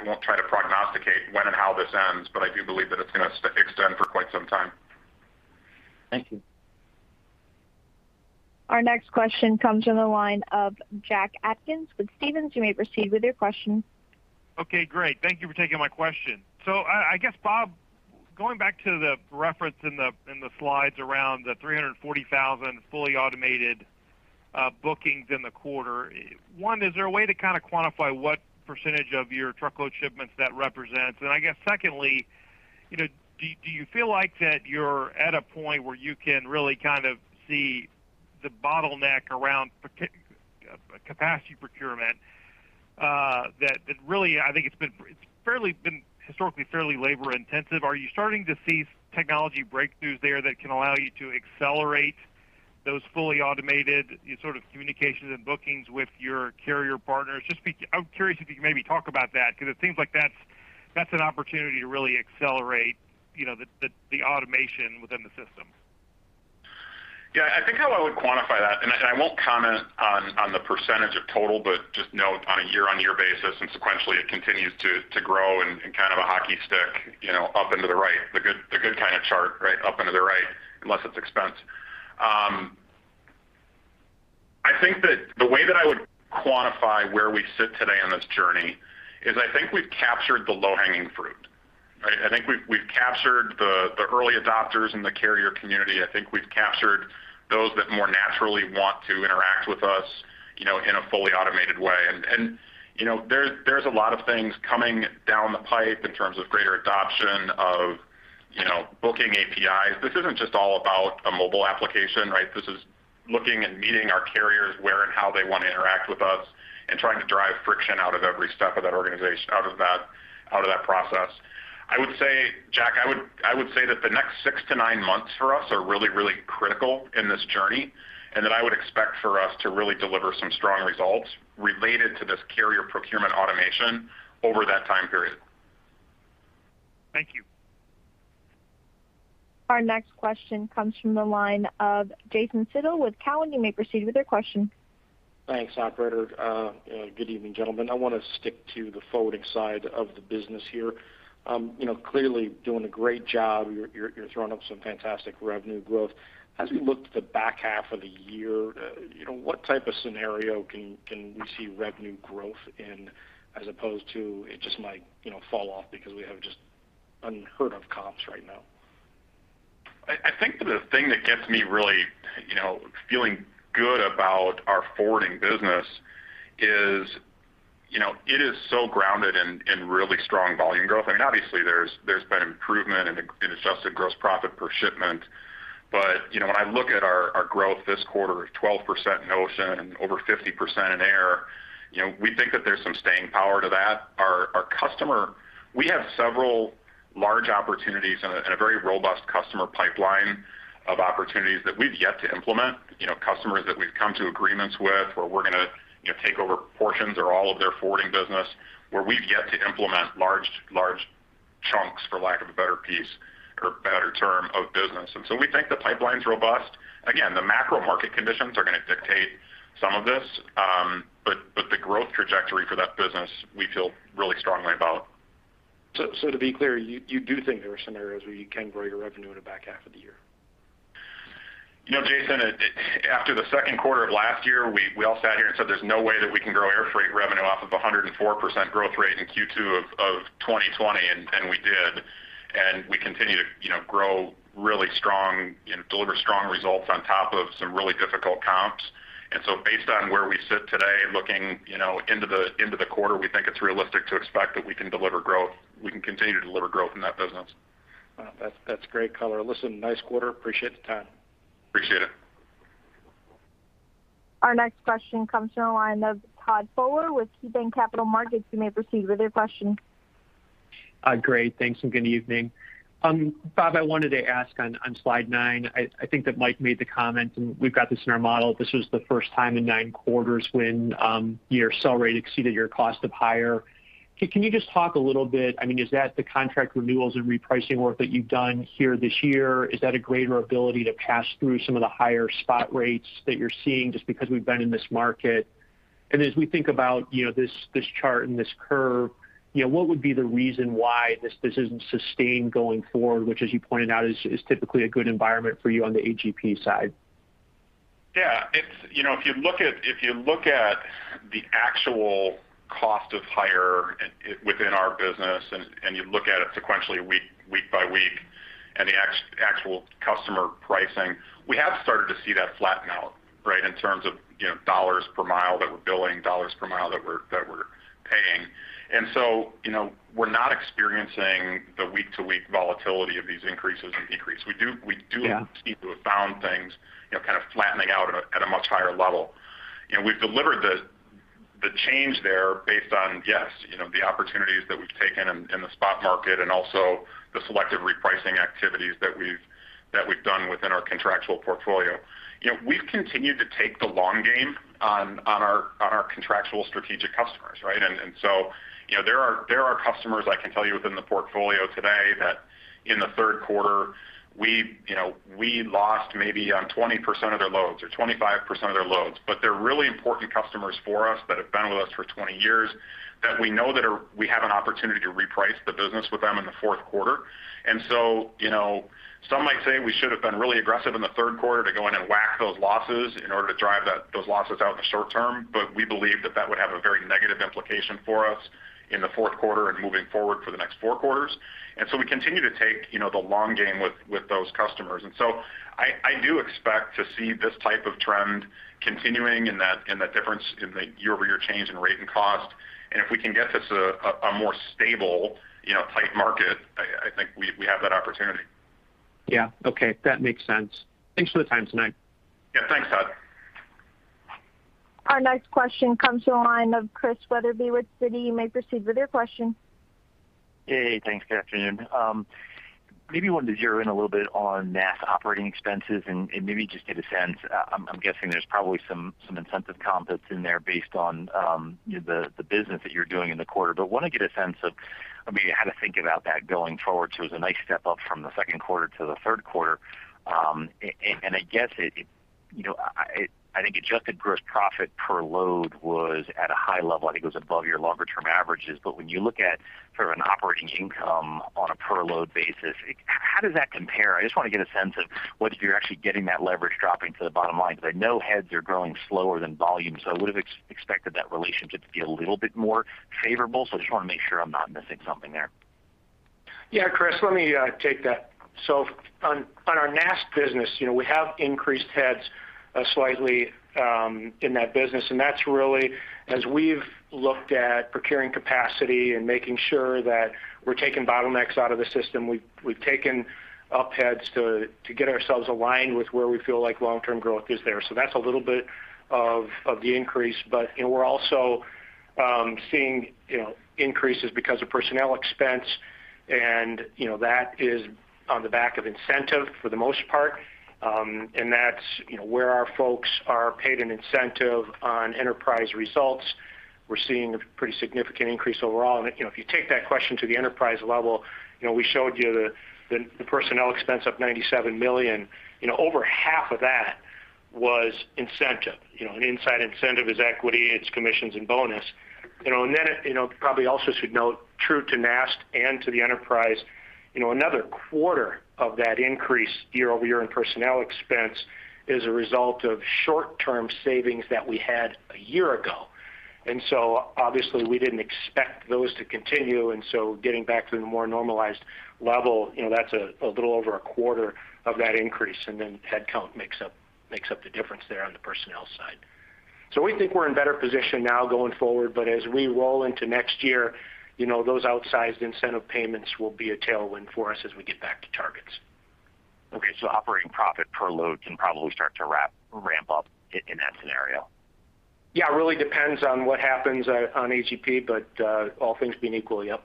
I won't try to prognosticate when and how this ends, but I do believe that it's going to extend for quite some time. Thank you. Our next question comes from the line of Jack Atkins with Stephens. You may proceed with your question. Okay, great. Thank you for taking my question. I guess, Bob, going back to the reference in the slides around the 340,000 fully automated bookings in the quarter. One, is there a way to kind of quantify what percentage of your truckload shipments that represents? I guess secondly, you know, do you feel like that you're at a point where you can really kind of see the bottleneck around capacity procurement that really, I think it's fairly been historically labor intensive. Are you starting to see technology breakthroughs there that can allow you to accelerate those fully automated sort of communications and bookings with your carrier partners? I'm curious if you could maybe talk about that because it seems like that's an opportunity to really accelerate, you know, the automation within the system. Yeah. I think how I would quantify that, and I won't comment on the percentage of total, but just note on a year-on-year basis and sequentially it continues to grow in kind of a hockey stick, you know, up into the right, the good kind of chart, right, up into the right, unless it's expense. I think that the way that I would quantify where we sit today on this journey is I think we've captured the low-hanging fruit, right? I think we've captured the early adopters in the carrier community. I think we've captured those that more naturally want to interact with us, you know, in a fully automated way. You know, there's a lot of things coming down the pipe in terms of greater adoption of, you know, booking APIs. This isn't just all about a mobile application, right? This is looking and meeting our carriers where and how they want to interact with us and trying to drive friction out of every step of that process. I would say, Jack, that the next six to nine months for us are really, really critical in this journey, and that I would expect for us to really deliver some strong results related to this carrier procurement automation over that time period. Thank you. Our next question comes from the line of Jason Seidl with Cowen. You may proceed with your question. Thanks, operator. Good evening, gentlemen. I want to stick to the forwarding side of the business here. You know, clearly doing a great job. You're throwing up some fantastic revenue growth. As we look to the back half of the year, you know, what type of scenario can we see revenue growth in as opposed to it just might fall off because we have just unheard of comps right now? I think the thing that gets me really, you know, feeling good about our forwarding business is, you know, it is so grounded in really strong volume growth. I mean, obviously, there's been improvement in adjusted gross profit per shipment. But, you know, when I look at our growth this quarter of 12% in ocean and over 50% in air, you know, we think that there's some staying power to that. Our customer. We have several large opportunities and a very robust customer pipeline of opportunities that we've yet to implement. You know, customers that we've come to agreements with, where we're going to, you know, take over portions or all of their forwarding business, where we've yet to implement large chunks, for lack of a better term, of business. We think the pipeline's robust. Again, the macro market conditions are going to dictate some of this, but the growth trajectory for that business, we feel really strongly about. To be clear, you do think there are scenarios where you can grow your revenue in the back half of the year? You know, Jason, after the Q2 of last year, we all sat here and said there's no way that we can grow airfreight revenue off of a 104% growth rate in Q2 of 2020, and we did. We continue to, you know, grow really strong and deliver strong results on top of some really difficult comps. So based on where we sit today, looking, you know, into the quarter, we think it's realistic to expect that we can deliver growth. We can continue to deliver growth in that business. Wow. That's great color. Listen, nice quarter. Appreciate the time. Appreciate it. Our next question comes from the line of Todd Fowler with KeyBanc Capital Markets. You may proceed with your question. Great. Thanks, and good evening. Bob, I wanted to ask on slide nine. I think that Mike made the comment, and we've got this in our model. This was the first time in nine quarters when your sell rate exceeded your cost of hire. Can you just talk a little bit? I mean, is that the contract renewals and repricing work that you've done here this year? Is that a greater ability to pass through some of the higher spot rates that you're seeing just because we've been in this market? As we think about, you know, this chart and this curve, you know, what would be the reason why this isn't sustained going forward, which as you pointed out, is typically a good environment for you on the AGP side? Yeah. It's you know, if you look at the actual cost of hire within our business and you look at it sequentially week by week, and the actual customer pricing, we have started to see that flatten out, right? In terms of, you know, dollars per mile that we're billing, dollars per mile that we're paying. You know, we're not experiencing the week-to-week volatility of these increases and decreases. Yeah See, we found things, you know, kind of flattening out at a much higher level. We've delivered the change there based on, you know, the opportunities that we've taken in the spot market and also the selective repricing activities that we've done within our contractual portfolio. You know, we've continued to take the long game on our contractual strategic customers, right? You know, there are customers, I can tell you, within the portfolio today that in the Q3, we lost maybe 20% of their loads or 25% of their loads. They're really important customers for us that have been with us for 20 years that we know we have an opportunity to reprice the business with them in the Q4. You know, some might say we should have been really aggressive in the Q3 to go in and whack those losses in order to drive those losses out in the short term. We believe that would have a very negative implication for us in the Q4 and moving forward for the next four quarters. We continue to take, you know, the long game with those customers. I do expect to see this type of trend continuing in that difference in the year-over-year change in rate and cost. If we can get this, a more stable, you know, tight market, I think we have that opportunity. Yeah. Okay. That makes sense. Thanks for the time tonight. Yeah. Thanks, Todd. Our next question comes from the line of Christian Wetherbee with Wells Fargo. You may proceed with your question. Hey. Thanks. Good afternoon. Maybe wanted to zero in a little bit on NAST operating expenses and maybe just get a sense. I'm guessing there's probably some incentive comp that's in there based on the business that you're doing in the quarter. want to get a sense of, I mean, how to think about that going forward. It was a nice step up from the Q2 to the Q3. I guess it, you know, I think adjusted gross profit per load was at a high level, and it goes above your longer term averages. When you look at sort of an operating income on a per load basis, how does that compare? I just want to get a sense of whether you're actually getting that leverage dropping to the bottom line, because I know heads are growing slower than volume, so I would have expected that relationship to be a little bit more favorable. I just want to make sure I'm not missing something there. Yeah, Chris, let me take that. On our NAST business, you know, we have increased heads slightly in that business, and that's really as we've looked at procuring capacity and making sure that we're taking bottlenecks out of the system. We've taken up heads to get ourselves aligned with where we feel like long-term growth is there. That's a little bit of the increase. But, you know, we're also seeing, you know, increases because of personnel expense and, you know, that is on the back of incentive for the most part. And that's, you know, where our folks are paid an incentive on enterprise results. We're seeing a pretty significant increase overall. If you take that question to the enterprise level, you know, we showed you the personnel expense up $97 million. You know, over half of that was incentive. You know, an inside incentive is equity, it's commissions and bonus. You know, then, you know, probably also should note, true to NAST and to the enterprise, you know, another quarter of that increase year-over-year in personnel expense is a result of short-term savings that we had a year ago. Obviously, we didn't expect those to continue. Getting back to the more normalized level, you know, that's a little over a quarter of that increase, and then headcount makes up the difference there on the personnel side. We think we're in better position now going forward, but as we roll into next year, you know, those outsized incentive payments will be a tailwind for us as we get back to targets. Operating profit per load can probably start to ramp up in that scenario. Yeah, really depends on what happens on AGP, but, all things being equal, yep.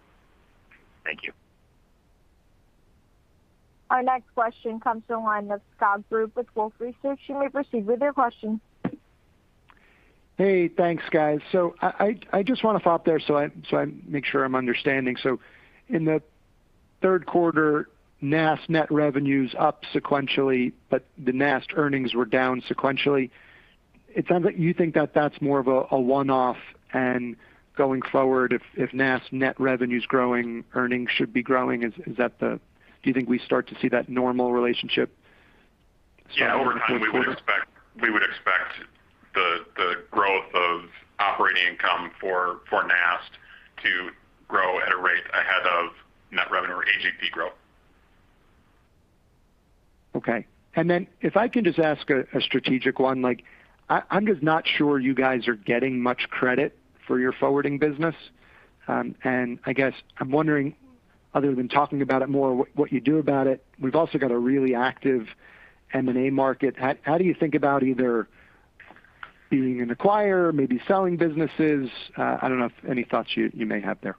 Thank you. Our next question comes from the line of Scott Group with Wolfe Research. You may proceed with your question. Hey, thanks, guys. I just want to follow up there so I make sure I'm understanding. In the Q3, NAST net revenues up sequentially, but the NAST earnings were down sequentially. It sounds like you think that that's more of a one-off, and going forward, if NAST net revenue is growing, earnings should be growing. Is that the case? Do you think we start to see that normal relationship starting to come through? Yeah, over time, we would expect the growth of operating income for NAST to grow at a rate ahead of net revenue or AGP growth. Okay. If I can just ask a strategic one. Like, I'm just not sure you guys are getting much credit for your forwarding business. I guess I'm wondering, other than talking about it more, what you do about it. We've also got a really active M&A market. How do you think about either being an acquirer, maybe selling businesses? I don't know if any thoughts you may have there.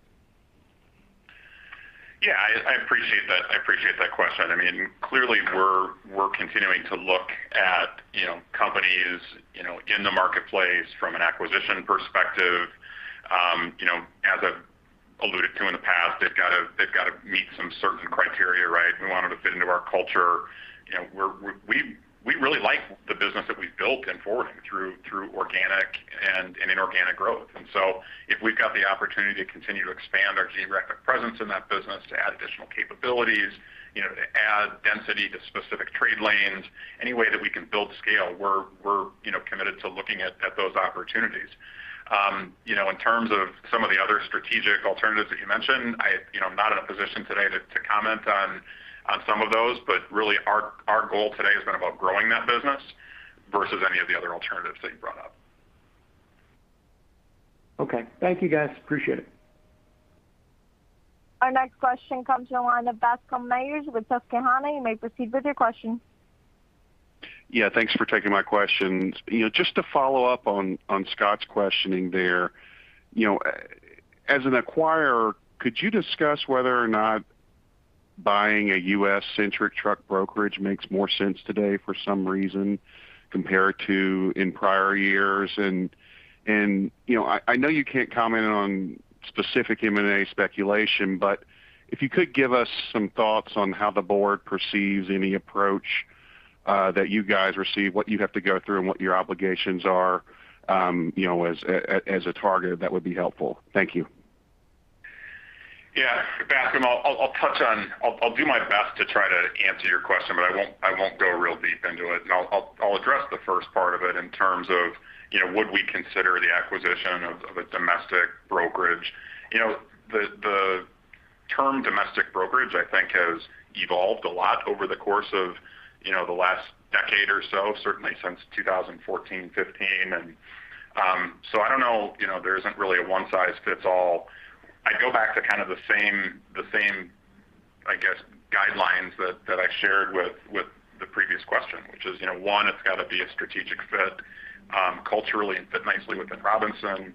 Yeah, I appreciate that. I appreciate that question. I mean, clearly, we're continuing to look at, you know, companies, you know, in the marketplace from an acquisition perspective. You know, as I've alluded to in the past, they've got to meet some certain criteria, right? We want them to fit into our culture. You know, we really like the business that we've built in forwarding through organic and inorganic growth. If we've got the opportunity to continue to expand our geographic presence in that business, to add additional capabilities, you know, to add density to specific trade lanes, any way that we can build scale, we're you know, committed to looking at those opportunities. You know, in terms of some of the other strategic alternatives that you mentioned, I, you know, I'm not in a position today to comment on some of those, but really our goal today has been about growing that business versus any of the other alternatives that you brought up. Okay. Thank you, guys. Appreciate it. Our next question comes from the line of Bascome Majors with Susquehanna. You may proceed with your question. Yeah, thanks for taking my question. You know, just to follow up on Scott Group's questioning there. You know, as an acquirer, could you discuss whether or not buying a U.S.-centric truck brokerage makes more sense today for some reason compared to in prior years? You know, I know you can't comment on specific M&A speculation, but if you could give us some thoughts on how the board perceives any approach that you guys receive, what you have to go through and what your obligations are, you know, as a target, that would be helpful. Thank you. Yeah. Bascome, I'll do my best to try to answer your question, but I won't go real deep into it. I'll address the first part of it in terms of, you know, would we consider the acquisition of a domestic brokerage? You know, the term domestic brokerage, I think, has evolved a lot over the course of, you know, the last decade or so, certainly since 2014, 2015. I don't know, you know, there isn't really a one size fits all. I'd go back to kind of the same, I guess, guidelines that I shared with the previous question, which is, you know, one, it's got to be a strategic fit, culturally and fit nicely within Robinson.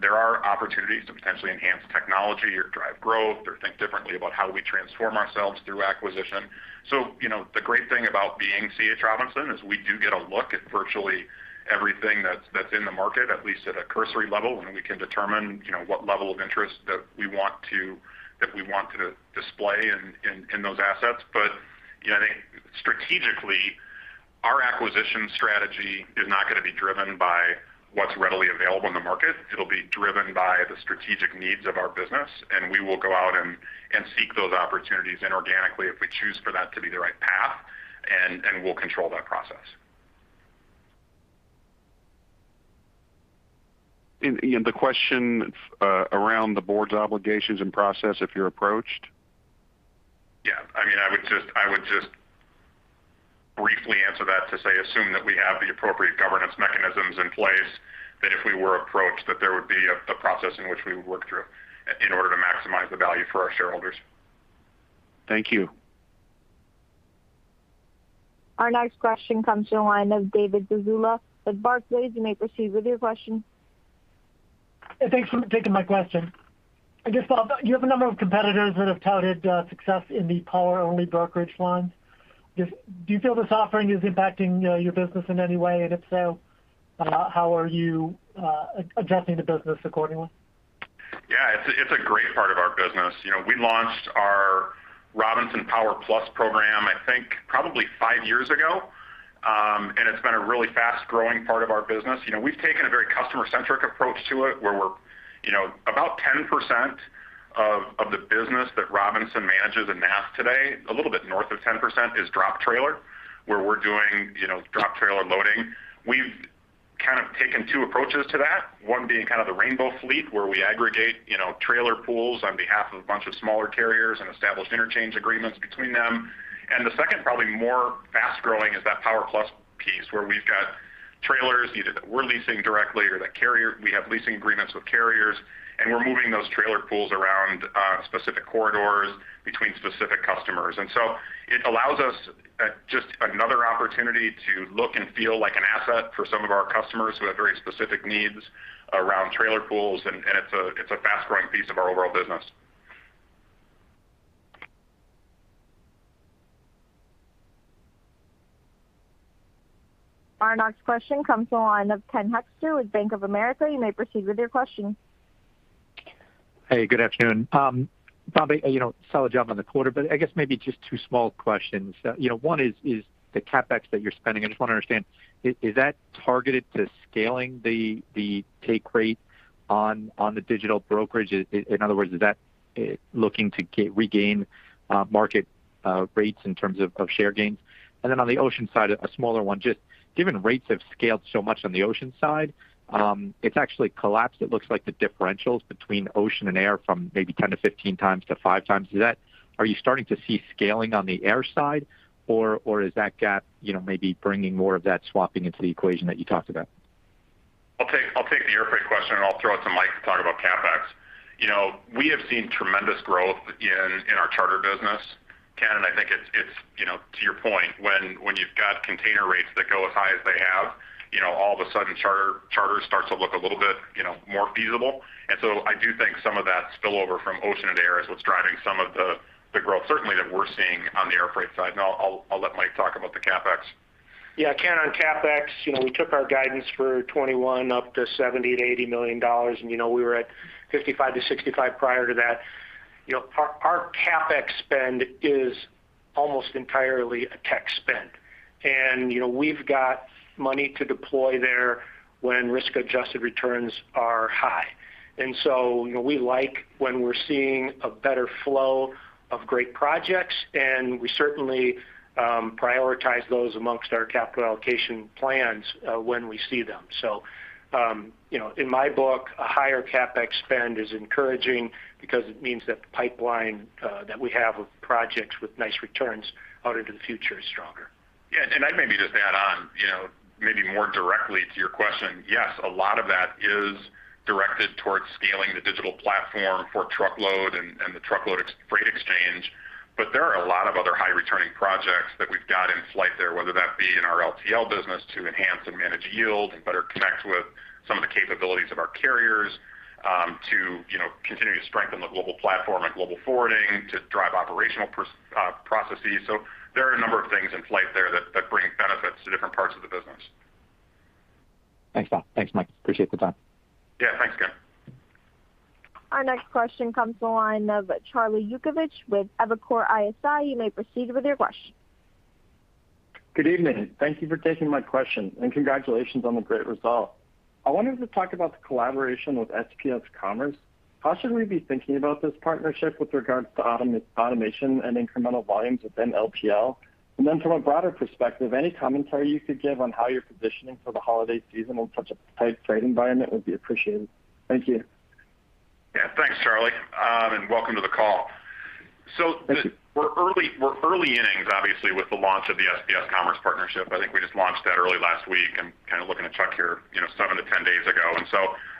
There are opportunities to potentially enhance technology or drive growth or think differently about how we transform ourselves through acquisition. You know, the great thing about being C.H. Robinson is we do get a look at virtually everything that's in the market, at least at a cursory level, and we can determine, you know, what level of interest that we want to display in those assets. You know, I think strategically, our acquisition strategy is not going to be driven by what's readily available in the market. It'll be driven by the strategic needs of our business, and we will go out and seek those opportunities inorganically if we choose for that to be the right path, and we'll control that process. The question around the board's obligations and process if you're approached? Yeah. I mean, I would just briefly answer that to say, assume that we have the appropriate governance mechanisms in place that if we were approached, that there would be a process in which we would work through in order to maximize the value for our shareholders. Thank you. Our next question comes from the line of David Zazula with Barclays. You may proceed with your question. Thanks for taking my question. I guess, Bob, you have a number of competitors that have touted success in the power-only brokerage line. Do you feel this offering is impacting your business in any way? If so, how are you adjusting the business accordingly? It's a great part of our business. You know, we launched our Robinson Power Plus program, I think, probably five years ago, and it's been a really fast-growing part of our business. You know, we've taken a very customer-centric approach to it where we're, you know, about 10% of the business that Robinson manages in NAST today, a little bit north of 10% is drop trailer, where we're doing, you know, drop trailer loading. We've kind of taken two approaches to that. One being kind of the rainbow fleet, where we aggregate, you know, trailer pools on behalf of a bunch of smaller carriers and establish interchange agreements between them. The second, probably more fast-growing is that power plus piece where we've got trailers either that we're leasing directly or that carrier. We have leasing agreements with carriers, and we're moving those trailer pools around specific corridors between specific customers. It allows us just another opportunity to look and feel like an asset for some of our customers who have very specific needs around trailer pools, and it's a fast-growing piece of our overall business. Our next question comes to the line of Ken Hoexter with Bank of America. You may proceed with your question. Hey, good afternoon. Probably, you know, solid job on the quarter, but I guess maybe just two small questions. You know, one is the CapEx that you're spending. I just want to understand, is that targeted to scaling the take rate on the digital brokerage? In other words, is that looking to regain market rates in terms of share gains? And then on the ocean side, a smaller one, just given rates have scaled so much on the ocean side, it's actually collapsed. It looks like the differentials between ocean and air from maybe 10-15 times to five times. Is that? Are you starting to see scaling on the air side or is that gap, you know, maybe bringing more of that swapping into the equation that you talked about? I'll take the air freight question, and I'll throw it to Mike to talk about CapEx. You know, we have seen tremendous growth in our charter business. Ken, I think it's you know, to your point, when you've got container rates that go as high as they have, you know, all of a sudden charter starts to look a little bit you know, more feasible. I do think some of that spill over from ocean to air is what's driving some of the growth certainly that we're seeing on the air freight side. I'll let Mike talk about the CapEx. Yeah. Ken, on CapEx, you know, we took our guidance for 2021 up to $70-$80 million, and, you know, we were at $55-$65 million prior to that. You know, our CapEx spend is almost entirely a tech spend. You know, we've got money to deploy there when risk-adjusted returns are high. We like when we're seeing a better flow of great projects, and we certainly prioritize those amongst our capital allocation plans when we see them. You know, in my book, a higher CapEx spend is encouraging because it means that the pipeline that we have of projects with nice returns out into the future is stronger. Yeah. I maybe just add on, you know, maybe more directly to your question. Yes, a lot of that is directed towards scaling the digital platform for truckload and the truckload ex-freight exchange. But there are a lot of other high returning projects that we've got in flight there, whether that be in our LTL business to enhance and manage yield and better connect with some of the capabilities of our carriers, to, you know, continue to strengthen the global platform and global forwarding to drive operational processes. So there are a number of things in flight there that bring benefits to different parts of the business. Thanks, Bob. Thanks, Mike. I appreciate the time. Yeah, thanks, Ken. Our next question comes to the line of Cherilyn Radbourne with Evercore ISI. You may proceed with your question. Good evening. Thank you for taking my question, and congratulations on the great result. I wanted to talk about the collaboration with SPS Commerce. How should we be thinking about this partnership with regards to automation and incremental volumes within LTL? And then from a broader perspective, any commentary you could give on how you're positioning for the holiday season in such a tight trade environment would be appreciated. Thank you. Yeah. Thanks, Cherilyn, and welcome to the call. Thank you. We're early, we're early innings, obviously, with the launch of the SPS Commerce partnership. I think we just launched that early last week and kind of looking to check here, you know, 7 to 10 days ago.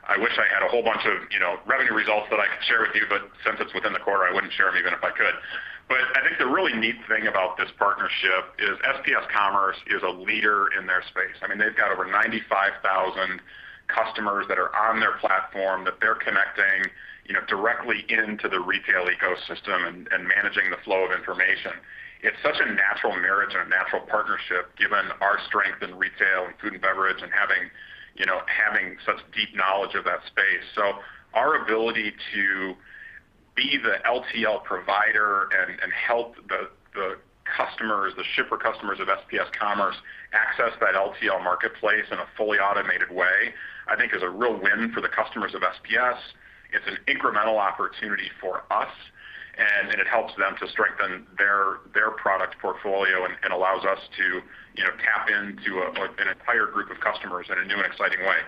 I wish I had a whole bunch of, you know, revenue results that I could share with you, but since it's within the quarter, I wouldn't share them even if I could. I think the really neat thing about this partnership is SPS Commerce is a leader in their space. I mean, they've got over 95,000 customers that are on their platform that they're connecting, you know, directly into the retail ecosystem and managing the flow of information. It's such a natural marriage and a natural partnership given our strength in retail and food and beverage and having, you know, such deep knowledge of that space. Our ability to be the LTL provider and help the customers, the shipper customers of SPS Commerce access that LTL marketplace in a fully automated way, I think is a real win for the customers of SPS. It's an incremental opportunity for us, and it helps them to strengthen their product portfolio and allows us to, you know, tap into an entire group of customers in a new and exciting way.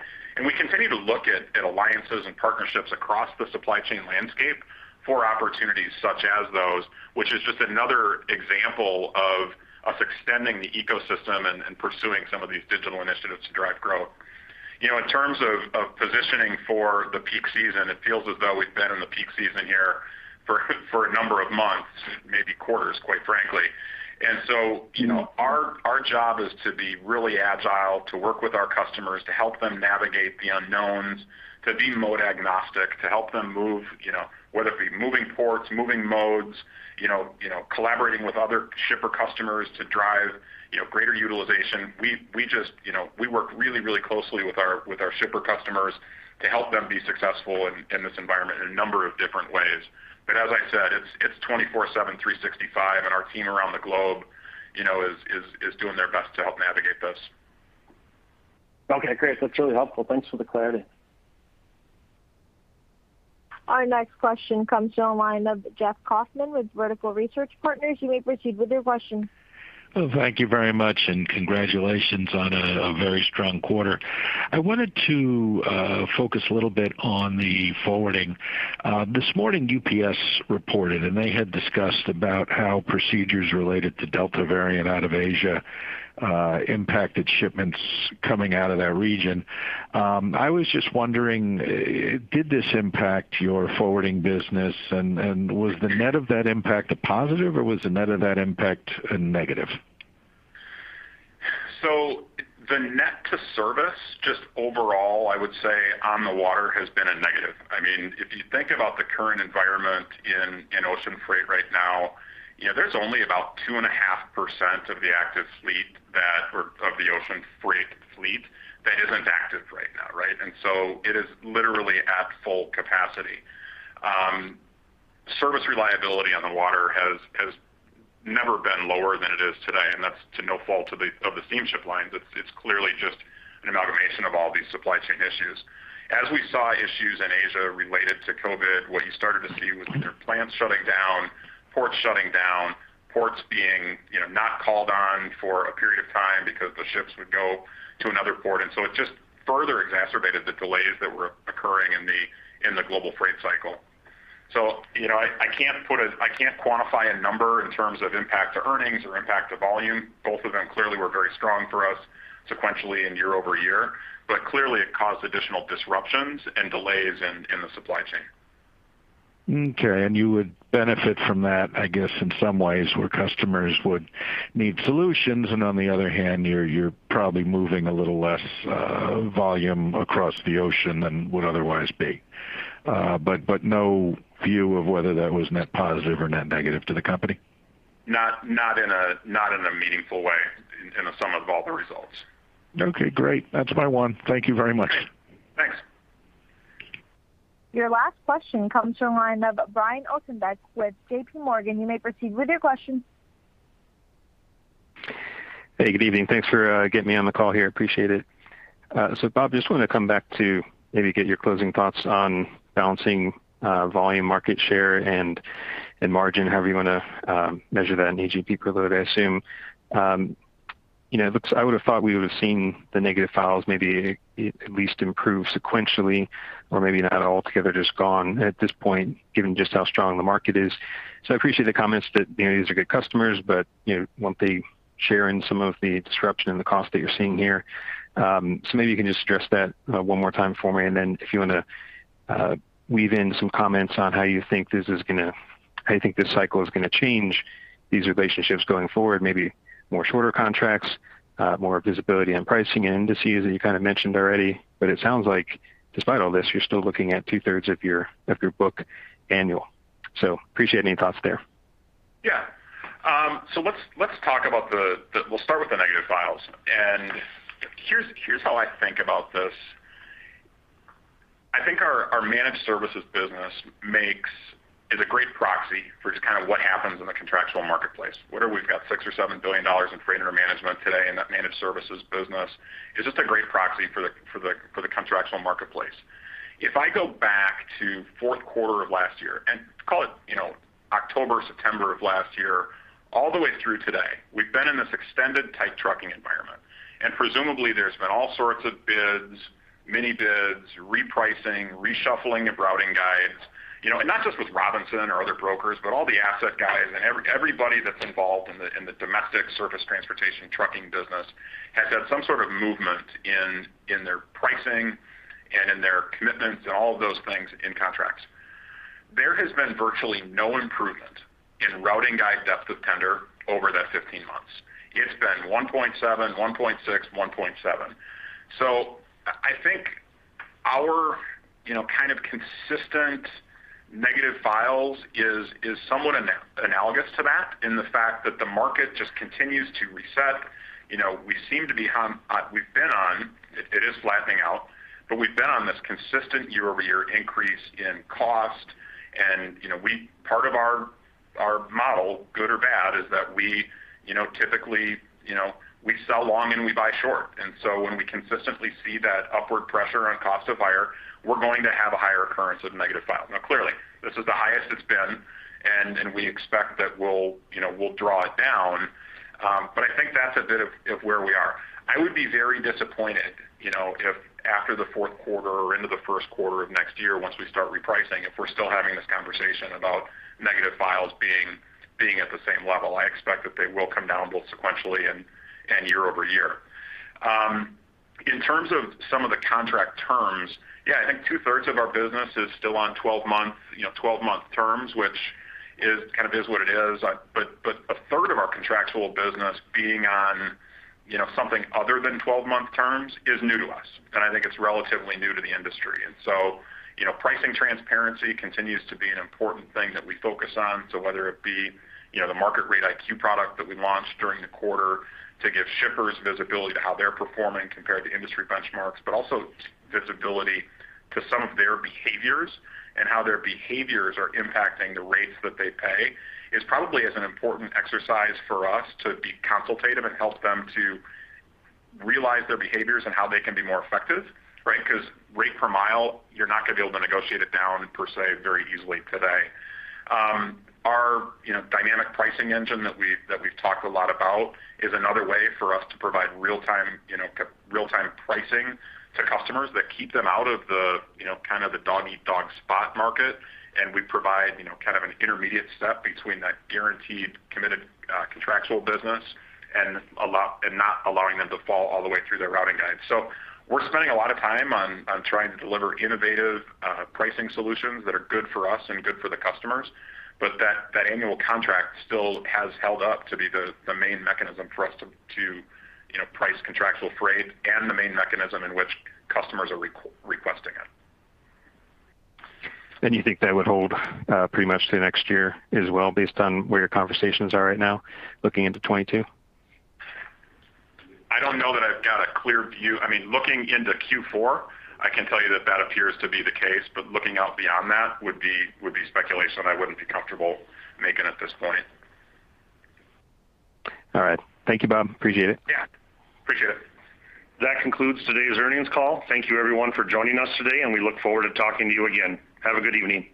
We continue to look at alliances and partnerships across the supply chain landscape for opportunities such as those, which is just another example of us extending the ecosystem and pursuing some of these digital initiatives to drive growth. You know, in terms of positioning for the peak season, it feels as though we've been in the peak season here for a number of months, maybe quarters, quite frankly. You know, our job is to be really agile, to work with our customers, to help them navigate the unknowns, to be mode agnostic, to help them move, you know, whether it be moving ports, moving modes, you know, collaborating with other shipper customers to drive, you know, greater utilization. We just, you know, we work really closely with our shipper customers to help them be successful in this environment in a number of different ways. As I said, it's 24/7, 365, and our team around the globe, you know, is doing their best to help navigate this. Okay, great. That's really helpful. Thanks for the clarity. Our next question comes from line of Jeffrey Kauffman with Vertical Research Partners. You may proceed with your question. Thank you very much, and congratulations on a very strong quarter. I wanted to focus a little bit on the forwarding. This morning UPS reported, and they had discussed about how procedures related to Delta variant out of Asia impacted shipments coming out of that region. I was just wondering, did this impact your forwarding business? Was the net of that impact a positive or was the net of that impact a negative? The net to service just overall, I would say on the water has been a negative. I mean, if you think about the current environment in ocean freight right now, you know, there's only about 2.5% of the active fleet or of the ocean freight fleet that isn't active right now, right? It is literally at full capacity. Service reliability on the water has never been lower than it is today, and that's to no fault of the steamship lines. It's clearly just an amalgamation of all these supply chain issues. As we saw issues in Asia related to COVID, what you started to see was either plants shutting down, ports shutting down, ports being, you know, not called on for a period of time because the ships would go to another port. It just further exacerbated the delays that were occurring in the global freight cycle. You know, I can't quantify a number in terms of impact to earnings or impact to volume. Both of them clearly were very strong for us sequentially and year over year. Clearly it caused additional disruptions and delays in the supply chain. Okay. You would benefit from that, I guess, in some ways, where customers would need solutions. On the other hand, you're probably moving a little less volume across the ocean than would otherwise be. But no view of whether that was net positive or net negative to the company. Not in a meaningful way in sum of all the results. Okay, great. That's my one. Thank you very much. Thanks. Your last question comes from line of Brian Ossenbeck with J.P. Morgan. You may proceed with your question. Hey, good evening. Thanks for getting me on the call here. Appreciate it. Bob, just want to come back to maybe get your closing thoughts on balancing volume market share and margin, however you want to measure that in AGP per load, I assume. You know, I would have thought we would have seen the negative files maybe at least improve sequentially or maybe not altogether just gone at this point, given just how strong the market is. I appreciate the comments that, you know, these are good customers, but, you know, won't they share in some of the disruption and the cost that you're seeing here? Maybe you can just stress that one more time for me, and then if you want to weave in some comments on how you think this cycle is going to change these relationships going forward, maybe more shorter contracts, more visibility on pricing and indices. You kind of mentioned already, but it sounds like despite all this, you're still looking at two-thirds of your book annual. Appreciate any thoughts there. We'll start with the negative files. Here's how I think about this. I think our managed services business is a great proxy for just kind of what happens in the contractual marketplace. What we've got? $6 billion or $7 billion in freight under management today in that managed services business. It's just a great proxy for the contractual marketplace. If I go back to Q4 of last year and call it, you know, October, September of last year, all the way through today, we've been in this extended tight trucking environment. Presumably there's been all sorts of bids, mini bids, repricing, reshuffling of routing guides, you know, and not just with Robinson or other brokers, but all the asset guys and everybody that's involved in the domestic surface transportation trucking business has had some sort of movement in their pricing and in their commitments and all of those things in contracts. There has been virtually no improvement in routing guide depth of tender over that 15 months. It's been 1.7, 1.6, 1.7. I think our, you know, kind of consistent negative vibes is somewhat analogous to that in the fact that the market just continues to reset. You know, we seem to be on it. It is flattening out, but we've been on this consistent year-over-year increase in cost. You know, part of our model, good or bad, is that we, you know, typically, you know, we sell long and we buy short. When we consistently see that upward pressure on cost of hire, we're going to have a higher occurrence of negative files. Now, clearly, this is the highest it's been, and we expect that we'll, you know, we'll draw it down. But I think that's a bit of where we are. I would be very disappointed, you know, if after the Q4 or into the Q1 of next year, once we start repricing, if we're still having this conversation about negative files being at the same level. I expect that they will come down both sequentially and year over year. In terms of some of the contract terms, yeah, I think two-thirds of our business is still on 12-month, you know, 12-month terms, which is kind of what it is. But a third of our contractual business being on, you know, something other than 12-month terms is new to us, and I think it's relatively new to the industry. You know, pricing transparency continues to be an important thing that we focus on. Whether it be, you know, the Market Rate IQ product that we launched during the quarter to give shippers visibility to how they're performing compared to industry benchmarks, but also visibility to some of their behaviors and how their behaviors are impacting the rates that they pay is probably an important exercise for us to be consultative and help them to realize their behaviors and how they can be more effective, right? Because rate per mile, you're not going to be able to negotiate it down per se very easily today. Our, you know, dynamic pricing engine that we've talked a lot about is another way for us to provide real-time, you know, real-time pricing to customers that keep them out of the, you know, kind of the dog eat dog spot market. We provide, you know, kind of an intermediate step between that guaranteed committed contractual business and not allowing them to fall all the way through their routing guide. We're spending a lot of time on trying to deliver innovative pricing solutions that are good for us and good for the customers. That annual contract still has held up to be the main mechanism for us to, you know, price contractual freight and the main mechanism in which customers are requesting it. You think that would hold pretty much through next year as well based on where your conversations are right now looking into 2022? I don't know that I've got a clear view. I mean, looking into Q4, I can tell you that that appears to be the case, but looking out beyond that would be speculation I wouldn't be comfortable making at this point. All right. Thank you, Bob. Appreciate it. Yeah, appreciate it. That concludes today's earnings call. Thank you everyone for joining us today, and we look forward to talking to you again. Have a good evening.